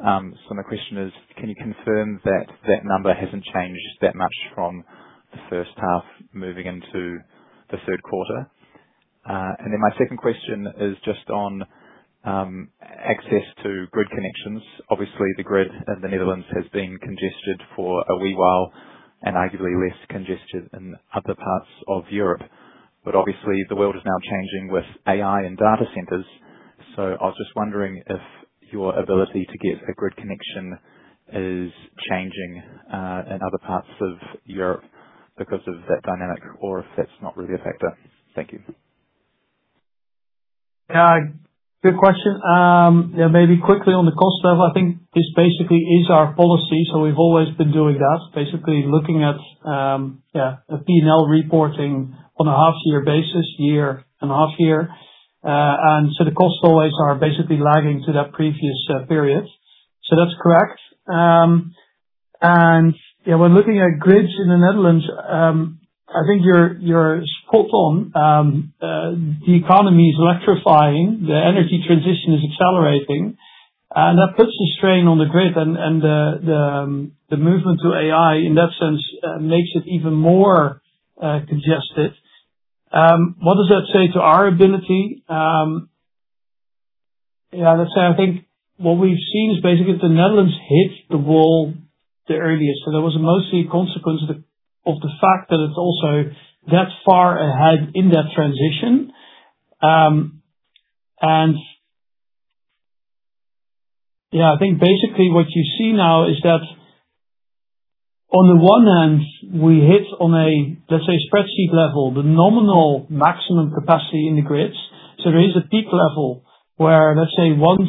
So my question is, can you confirm that that number hasn't changed that much from the first half moving into the third quarter? And then my second question is just on access to grid connections. Obviously, the grid in the Netherlands has been congested for a wee while and arguably less congested in other parts of Europe. But obviously, the world is now changing with AI and data centers. So I was just wondering if your ability to get a grid connection is changing in other parts of Europe because of that dynamic or if that's not really a factor. Thank you. Yeah. Good question. Yeah. Maybe quickly on the cost level, I think this basically is our policy. So we've always been doing that, basically looking at, yeah, a P&L reporting on a half-year basis, year and a half year. And so the costs always are basically lagging to that previous period. So that's correct. And yeah, when looking at grids in the Netherlands, I think you're spot on. The economy is electrifying. The energy transition is accelerating. And that puts a strain on the grid. And the movement to AI in that sense makes it even more congested. What does that say to our ability? Yeah. Let's say I think what we've seen is basically the Netherlands hit the wall the earliest. So that was mostly a consequence of the fact that it's also that far ahead in that transition. And yeah, I think basically what you see now is that on the one hand, we hit on a, let's say, spreadsheet level, the nominal maximum capacity in the grids. So there is a peak level where, let's say, once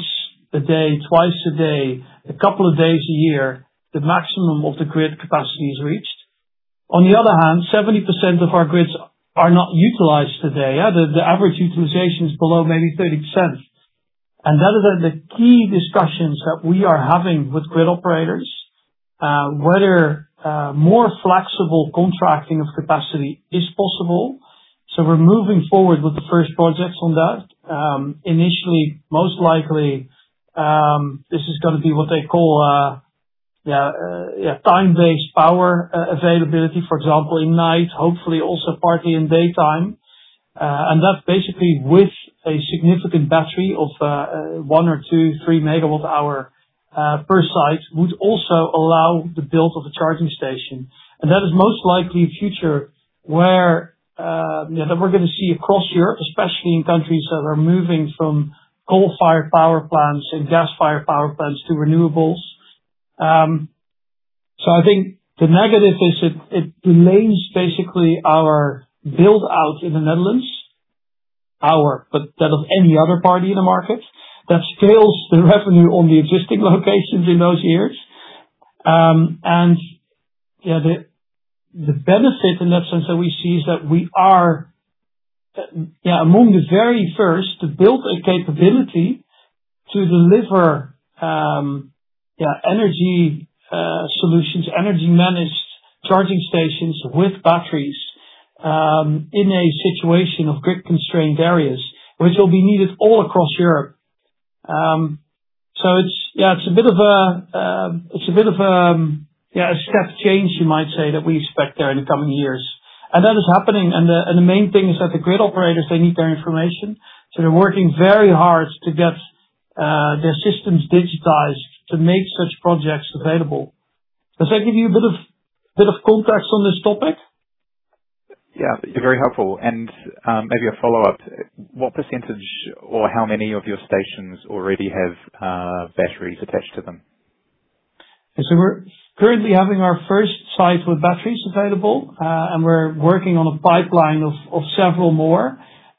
a day, twice a day, a couple of days a year, the maximum of the grid capacity is reached. On the other hand, 70% of our grids are not utilized today. The average utilization is below maybe 30%. And that is the key discussions that we are having with grid operators, whether more flexible contracting of capacity is possible. So we're moving forward with the first projects on that. Initially, most likely, this is going to be what they call, yeah, time-based power availability, for example, in night, hopefully also partly in daytime. And that basically with a significant battery of one or two, three megawatt-hour per site would also allow the build of a charging station. And that is most likely a future where, yeah, that we're going to see across Europe, especially in countries that are moving from coal-fired power plants and gas-fired power plants to renewables. So I think the negative is it delays basically our build-out in the Netherlands power, but that of any other party in the market. That scales the revenue on the existing locations in those years. And yeah, the benefit in that sense that we see is that we are, yeah, among the very first to build a capability to deliver, yeah, energy solutions, energy-managed charging stations with batteries in a situation of grid-constrained areas, which will be needed all across Europe. So yeah, it's a bit of a step change, you might say, that we expect there in the coming years. And that is happening. And the main thing is that the grid operators, they need their information. So they're working very hard to get their systems digitized to make such projects available. Does that give you a bit of context on this topic? Yeah. Very helpful. And maybe a follow-up. What percentage or how many of your stations already have batteries attached to them? So we're currently having our first site with batteries available, and we're working on a pipeline of several more.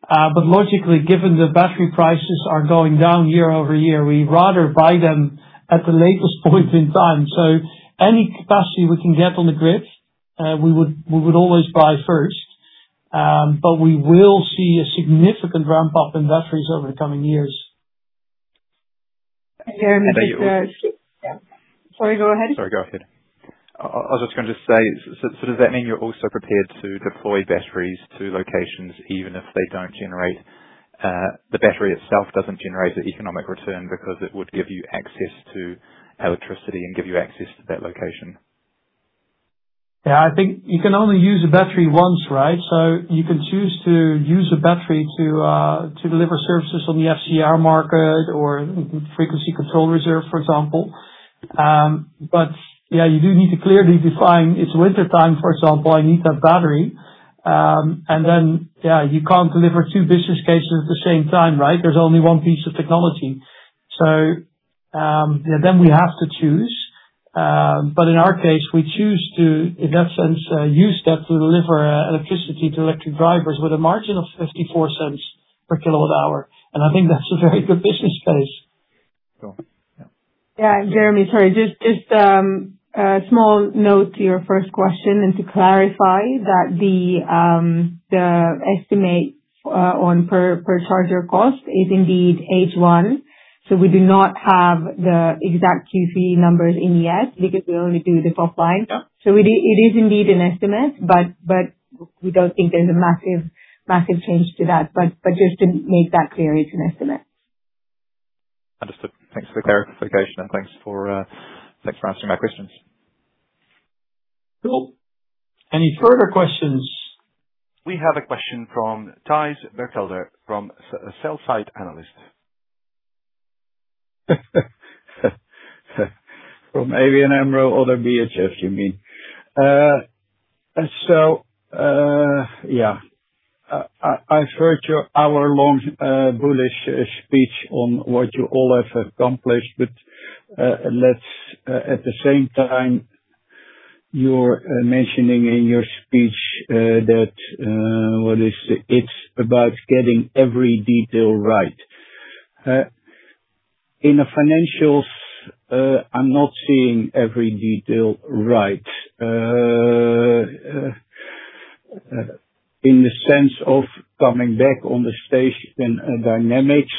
But logically, given the battery prices are going down year over year, we rather buy them at the latest point in time. So any capacity we can get on the grid, we would always buy first. But we will see a significant ramp-up in batteries over the coming years. Jeremy, please go ahead. Sorry, go ahead. I was just going to say, so does that mean you're also prepared to deploy batteries to locations even if they don't generate the battery itself doesn't generate the economic return because it would give you access to electricity and give you access to that location? Yeah. I think you can only use a battery once, right? So you can choose to use a battery to deliver services on the FCR market or frequency control reserve, for example. But yeah, you do need to clearly define, "It's wintertime, for example. I need that battery." And then, yeah, you can't deliver two business cases at the same time, right? There's only one piece of technology. So yeah, then we have to choose. But in our case, we choose to, in that sense, use that to deliver electricity to electric drivers with a margin of 0.54 per kilowatt-hour. And I think that's a very good business case. Sure. Yeah. Yeah. Jeremy, sorry. Just a small note to your first question and to clarify that the estimate on per charger cost is indeed H1. So we do not have the exact QC numbers in yet because we only do the top line. So it is indeed an estimate, but we don't think there's a massive change to that. But just to make that clear, it's an estimate. Understood. Thanks for the clarification. And thanks for answering my questions. Cool. Any further questions? We have a question from Thijs Berkelder from a sell-side analyst. From ABN AMRO or ODDO BHF, you mean. So yeah, I've heard your hour-long bullish speech on what you all have accomplished. But at the same time, you're mentioning in your speech that what is it about getting every detail right. In the financials, I'm not seeing every detail right in the sense of coming back on the station dynamics.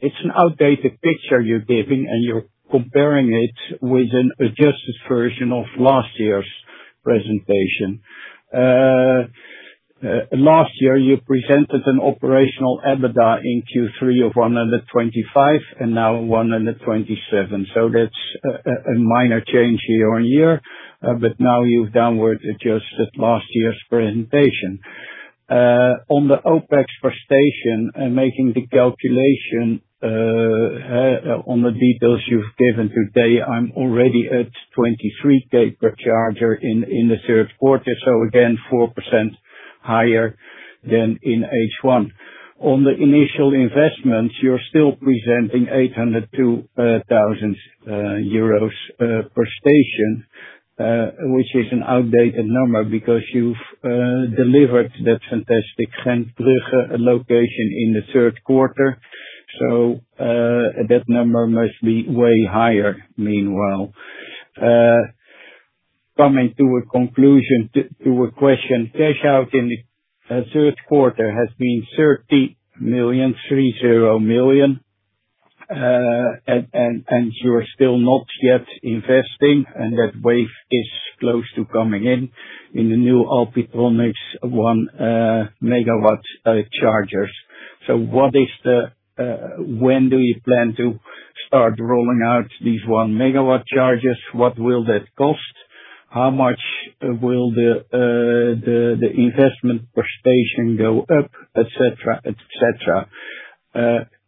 It's an outdated picture you're giving, and you're comparing it with an adjusted version of last year's presentation. Last year, you presented an operational EBITDA in Q3 of 125 and now 127. So that's a minor change year on year. But now you've downward adjusted last year's presentation. On the OpEx per station, making the calculation on the details you've given today, I'm already at 23K per charger in the third quarter. So again, 4% higher than in H1. On the initial investments, you're still presenting 802,000 euros per station, which is an outdated number because you've delivered that fantastic Gentbrugge location in the third quarter. So that number must be way higher meanwhile. Coming to a conclusion to a question, cash out in the third quarter has been 30 million, 30 million. And you're still not yet investing, and that wave is close to coming in in the new Alpitronic one-megawatt chargers. So what is the when do you plan to start rolling out these one-megawatt chargers? What will that cost? How much will the investment per station go up, etc., etc.?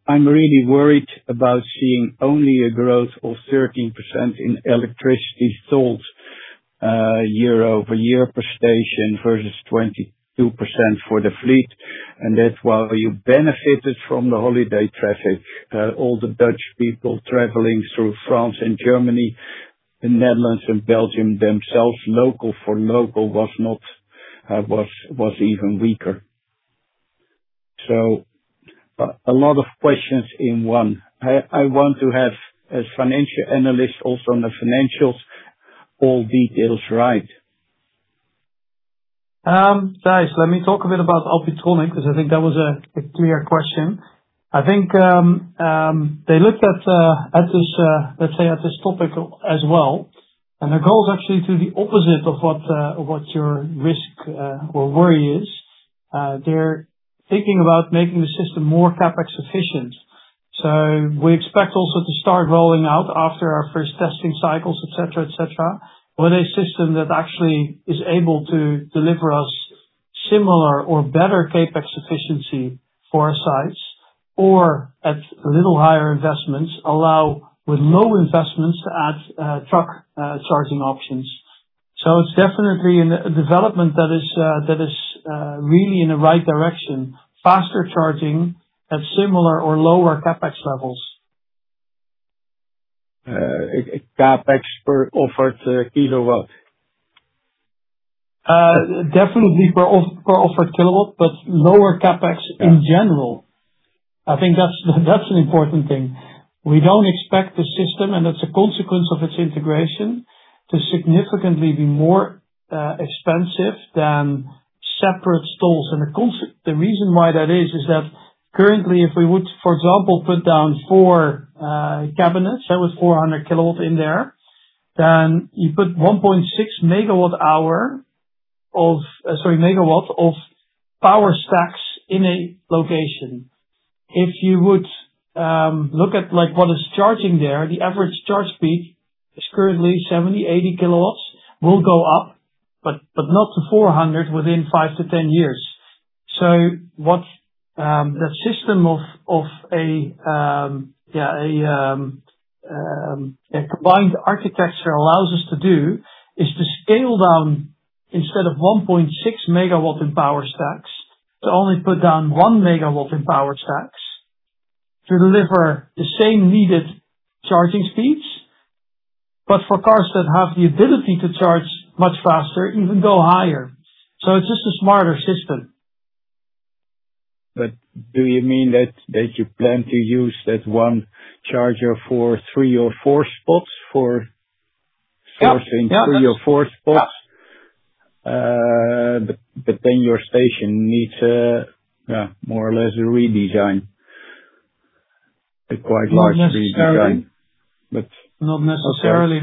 I'm really worried about seeing only a growth of 13% in electricity sold year over year per station versus 22% for the fleet, and that's why you benefited from the holiday traffic. All the Dutch people traveling through France and Germany, the Netherlands and Belgium themselves, local for local was even weaker, so a lot of questions in one. I want to have, as a financial analyst, also in the financials, all details right. Guys, let me talk a bit about Alpitronic because I think that was a clear question. I think they looked at this, let's say, at this topic as well, and the goal is actually to the opposite of what your risk or worry is. They're thinking about making the system more CapEx efficient. So we expect also to start rolling out after our first testing cycles with a system that actually is able to deliver us similar or better CapEx efficiency for our sites or at a little higher investments, allow with low investments to add truck charging options. So it's definitely a development that is really in the right direction, faster charging at similar or lower CapEx levels. CapEx per offered kilowatt? Definitely per offered kilowatt, but lower CapEx in general. I think that's an important thing. We don't expect the system, and that's a consequence of its integration, to significantly be more expensive than separate stalls. And the reason why that is that currently, if we would, for example, put down four cabinets with 400 kW in there, then you put 1.6 MWh of, sorry, megawatt of power stacks in a location. If you would look at what is charging there, the average charge speed is currently 70-80 kWs. Will go up, but not to 400 within five to 10 years. So what that system of a combined architecture allows us to do is to scale down instead of 1.6 MW in power stacks to only put down one megawatt in power stacks to deliver the same needed charging speeds, but for cars that have the ability to charge much faster, even go higher. So it's just a smarter system. But do you mean that you plan to use that one charger for three or four spots for sourcing three or four spots? But then your station needs more or less a redesign, a quite large redesign. Not necessarily. Not necessarily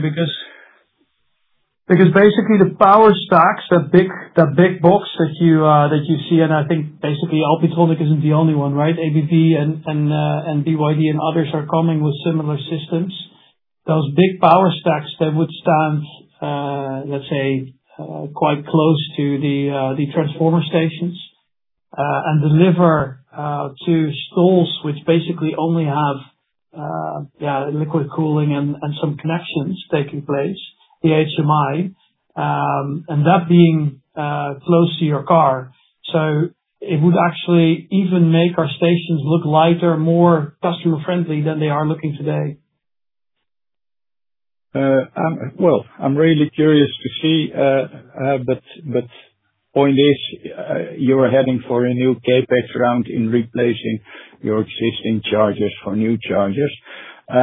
because basically the power stacks, that big box that you see, and I think basically Alpitronic isn't the only one, right? ABB and BYD and others are coming with similar systems. Those big power stacks that would stand, let's say, quite close to the transformer stations and deliver to stalls which basically only have, yeah, liquid cooling and some connections taking place, the HMI, and that being close to your car. So it would actually even make our stations look lighter, more customer-friendly than they are looking today. Well, I'm really curious to see. But the point is you're heading for a new CapEx round in replacing your existing chargers for new chargers. So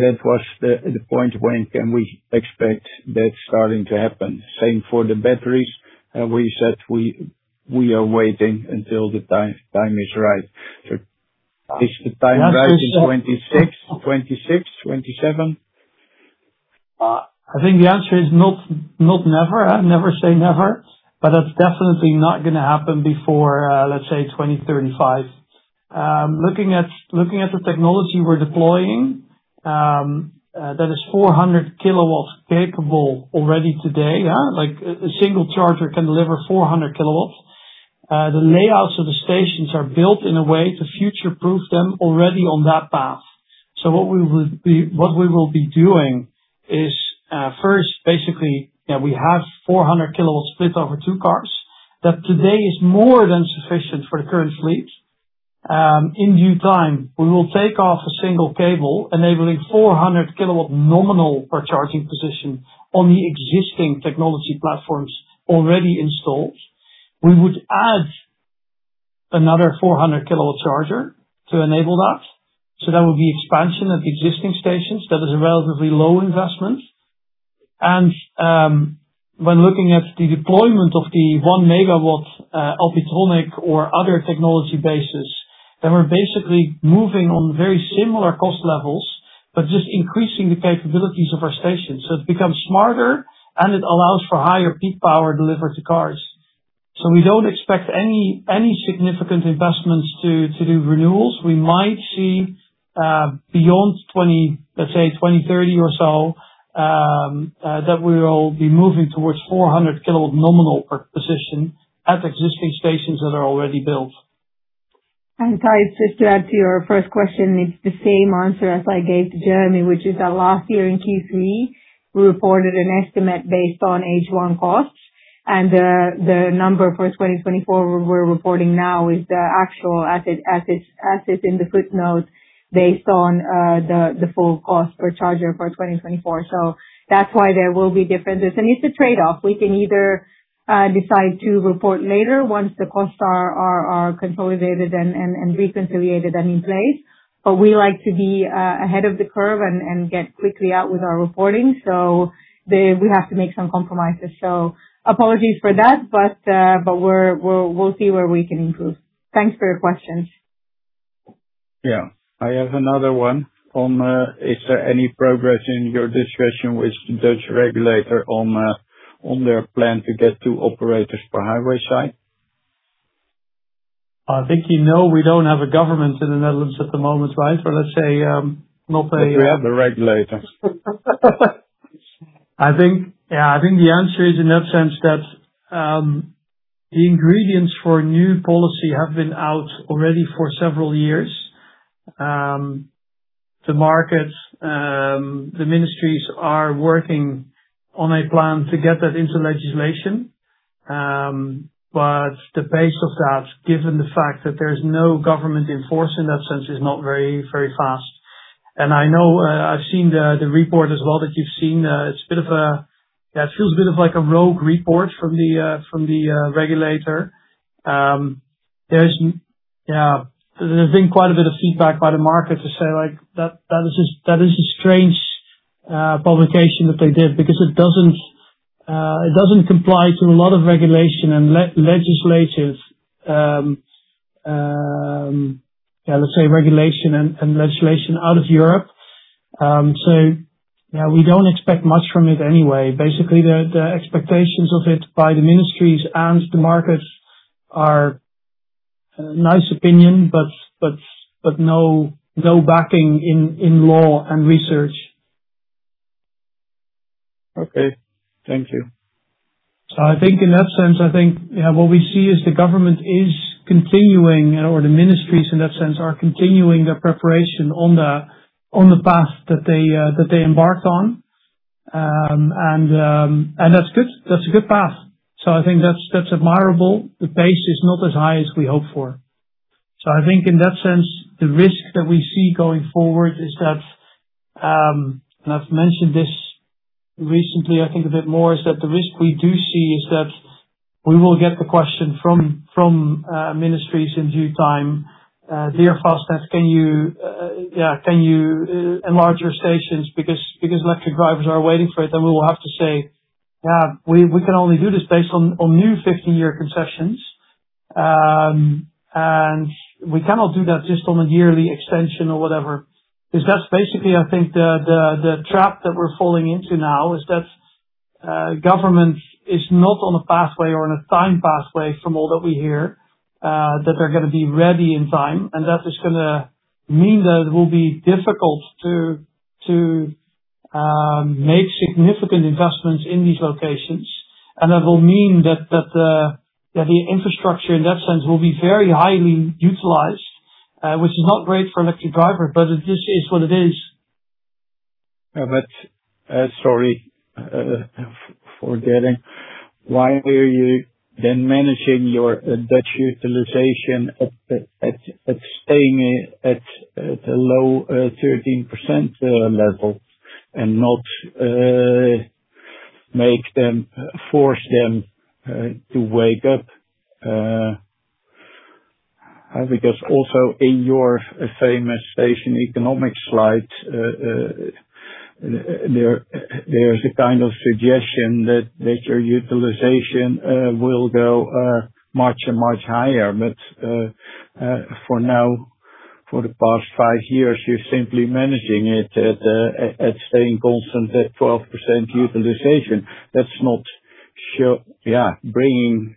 that was the point. When can we expect that starting to happen? Same for the batteries. We said we are waiting until the time is right. Is the time right in 2026, 2027? I think the answer is not never. I never say never, but that's definitely not going to happen before, let's say, 2035. Looking at the technology we're deploying, that is 400 kW capable already today. A single charger can deliver 400 kW. The layouts of the stations are built in a way to future-proof them already on that path. So what we will be doing is first, basically, we have 400 kW split over two cars. That today is more than sufficient for the current fleet. In due time, we will take off a single cable enabling 400 kW nominal per charging position on the existing technology platforms already installed. We would add another 400 kW charger to enable that. So that would be expansion at the existing stations. That is a relatively low investment. When looking at the deployment of the one-megawatt Alpitronic or other technology bases, then we're basically moving on very similar cost levels, but just increasing the capabilities of our stations. It becomes smarter, and it allows for higher peak power delivered to cars. We don't expect any significant investments to do renewals. We might see beyond, let's say, 2030 or so that we will be moving towards 400-kW nominal per position at existing stations that are already built. Thijs, just to add to your first question, it's the same answer as I gave to Jeremy, which is that last year in Q3, we reported an estimate based on H1 costs. The number for 2024 we're reporting now is the actual as it is in the footnote based on the full cost per charger for 2024. That's why there will be differences. And it's a trade-off. We can either decide to report later once the costs are consolidated and reconciled and in place. But we like to be ahead of the curve and get quickly out with our reporting. So we have to make some compromises. So apologies for that, but we'll see where we can improve. Thanks for your questions. Yeah. I have another one on, is there any progress in your discussion with the Dutch regulator on their plan to get two operators per highway site? I think no, we don't have a government in the Netherlands at the moment, right? Or let's say. But we have the regulator. Yeah. I think the answer is in that sense that the ingredients for new policy have been out already for several years. The markets, the ministries are working on a plan to get that into legislation. But the pace of that, given the fact that there's no government in force in that sense, is not very fast. And I know I've seen the report as well that you've seen. It's a bit of a, yeah, it feels a bit of like a rogue report from the regulator. Yeah. There's been quite a bit of feedback by the market to say that is a strange publication that they did because it doesn't comply to a lot of regulation and legislative, yeah, let's say regulation and legislation out of Europe. So yeah, we don't expect much from it anyway. Basically, the expectations of it by the ministries and the markets are nice opinion, but no backing in law and research. Okay. Thank you. So I think in that sense, I think, yeah, what we see is the government is continuing, or the ministries in that sense are continuing their preparation on the path that they embarked on. And that's good. That's a good path. So I think that's admirable. The pace is not as high as we hoped for. So I think in that sense, the risk that we see going forward is that, and I've mentioned this recently, I think a bit more, is that the risk we do see is that we will get the question from ministries in due time. Dear Fastned, can you, yeah, can you enlarge your stations? Because electric drivers are waiting for it, then we will have to say, yeah, we can only do this based on new 15-year concessions. And we cannot do that just on a yearly extension or whatever. Because that's basically, I think, the trap that we're falling into now is that government is not on a pathway or on a time pathway from all that we hear that they're going to be ready in time. And that is going to mean that it will be difficult to make significant investments in these locations. And that will mean that the infrastructure in that sense will be very highly utilized, which is not great for electric drivers, but it just is what it is. Yeah. But sorry for getting. Why are you then managing your Dutch utilization at staying at a low 13% level and not force them to wake up? Because also in your famous station economics slide, there's a kind of suggestion that your utilization will go much and much higher. But for now, for the past five years, you're simply managing it, staying constant at 12% utilization. That's not bringing,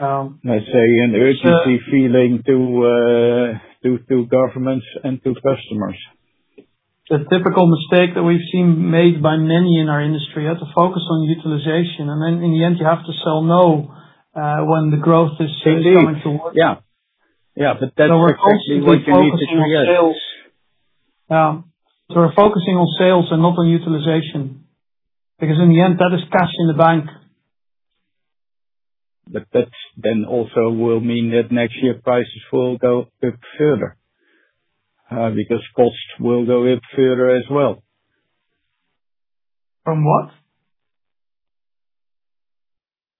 let's say, an urgency feeling to governments and to customers. The typical mistake that we've seen made by many in our industry is to focus on utilization, and then in the end, you have to say no when the growth is coming towards, but that's mostly what you need to create, so we're focusing on sales and not on utilization. Because in the end, that is cash in the bank, but that then also will mean that next year prices will go up further because costs will go up further as well. From what?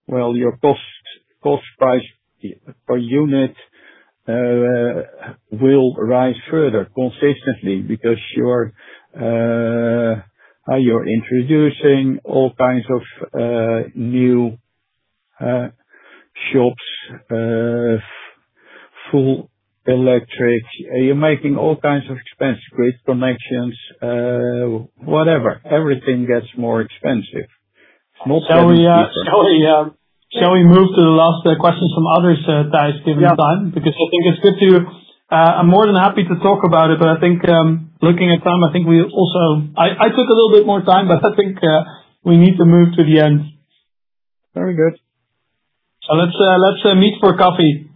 Well, your cost price per unit will rise further consistently because you're introducing all kinds of new shops, full electric. You're making all kinds of expenses, grid connections, whatever. Everything gets more expensive. It's not so easy. Shall we move to the last questions from others, Thijs, given the time? Because I think it's good to. I'm more than happy to talk about it, but I think looking at time, I think we also. I took a little bit more time, but I think we need to move to the end. Very good, so let's meet for coffee.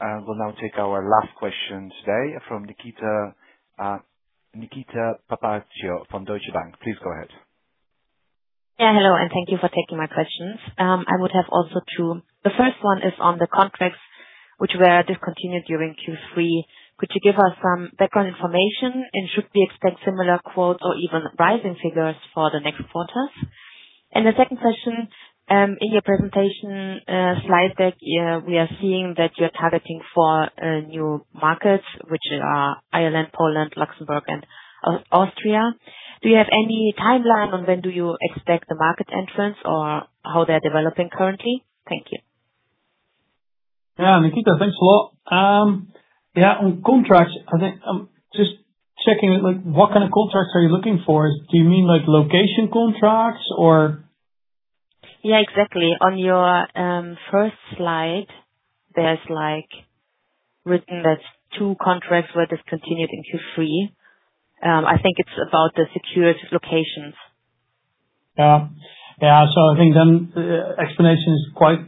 We'll now take our last question today from Nikita Lal from Deutsche Bank. Please go ahead. Yeah. Hello, and thank you for taking my questions. I would have also two questions. The first one is on the contracts which were discontinued during Q3. Could you give us some background information and should we expect similar quotas or even rising figures for the next quarters? And the second question, in your presentation slide deck, we are seeing that you're targeting four new markets, which are Ireland, Poland, Luxembourg, and Austria. Do you have any timeline on when do you expect the market entrance or how they're developing currently? Thank you. Yeah. Nikita, thanks a lot. Yeah. On contracts, I think just checking what kind of contracts are you looking for? Do you mean location contracts or? Yeah. Exactly. On your first slide, there's written that two contracts were discontinued in Q3. I think it's about the secured locations. Yeah. Yeah. So I think then the explanation is quite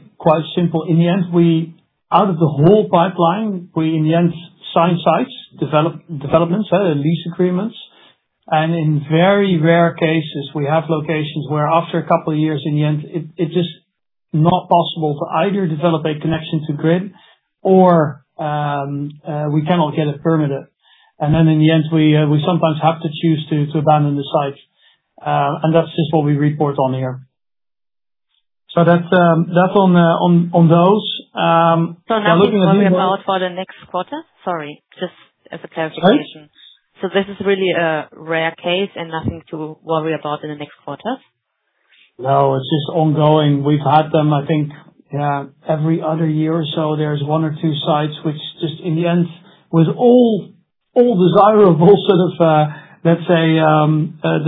simple. In the end, out of the whole pipeline, we in the end sign sites, developments, lease agreements. And in very rare cases, we have locations where after a couple of years, in the end, it's just not possible to either develop a connection to grid or we cannot get a permit. And then in the end, we sometimes have to choose to abandon the site. And that's just what we report on here. So that's on those. So that's what we're worried about for the next quarter? Sorry. Just as a clarification. So this is really a rare case and nothing to worry about in the next quarters? No. It's just ongoing. We've had them, I think, yeah, every other year or so. There's one or two sites which just in the end, with all desirable sort of, let's say,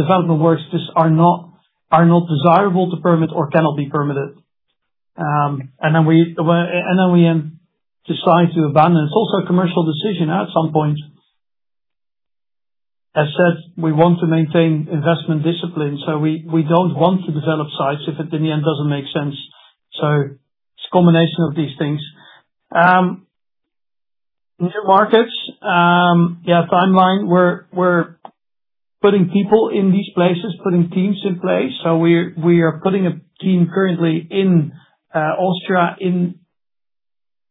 development works just are not desirable to permit or cannot be permitted. And then we decide to abandon. It's also a commercial decision at some point. As said, we want to maintain investment discipline. So we don't want to develop sites if it, in the end, doesn't make sense. So it's a combination of these things. New markets, yeah, timeline. We're putting people in these places, putting teams in place. So we are putting a team currently in Austria,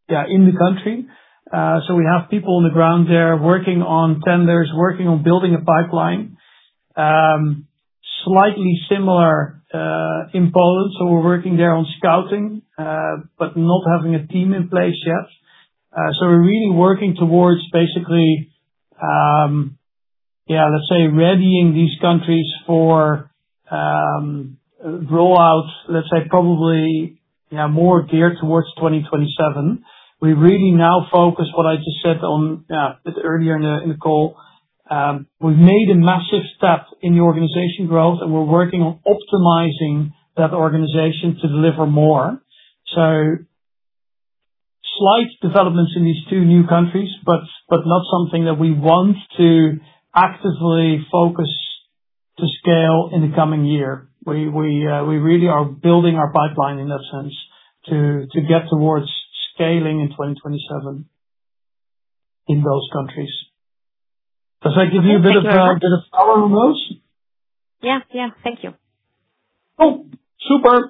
yeah, in the country. So we have people on the ground there working on tenders, working on building a pipeline. Slightly similar in Poland. So we're working there on scouting, but not having a team in place yet. So we're really working towards basically, yeah, let's say, readying these countries for roll out, let's say, probably, yeah, more geared towards 2027. We really now focus, what I just said on, yeah, a bit earlier in the call. We've made a massive step in the organization growth, and we're working on optimizing that organization to deliver more. So slight developments in these two new countries, but not something that we want to actively focus to scale in the coming year. We really are building our pipeline in that sense to get towards scaling in 2027 in those countries. Does that give you a bit of clarity on those? Yeah. Yeah. Thank you. Cool. Super.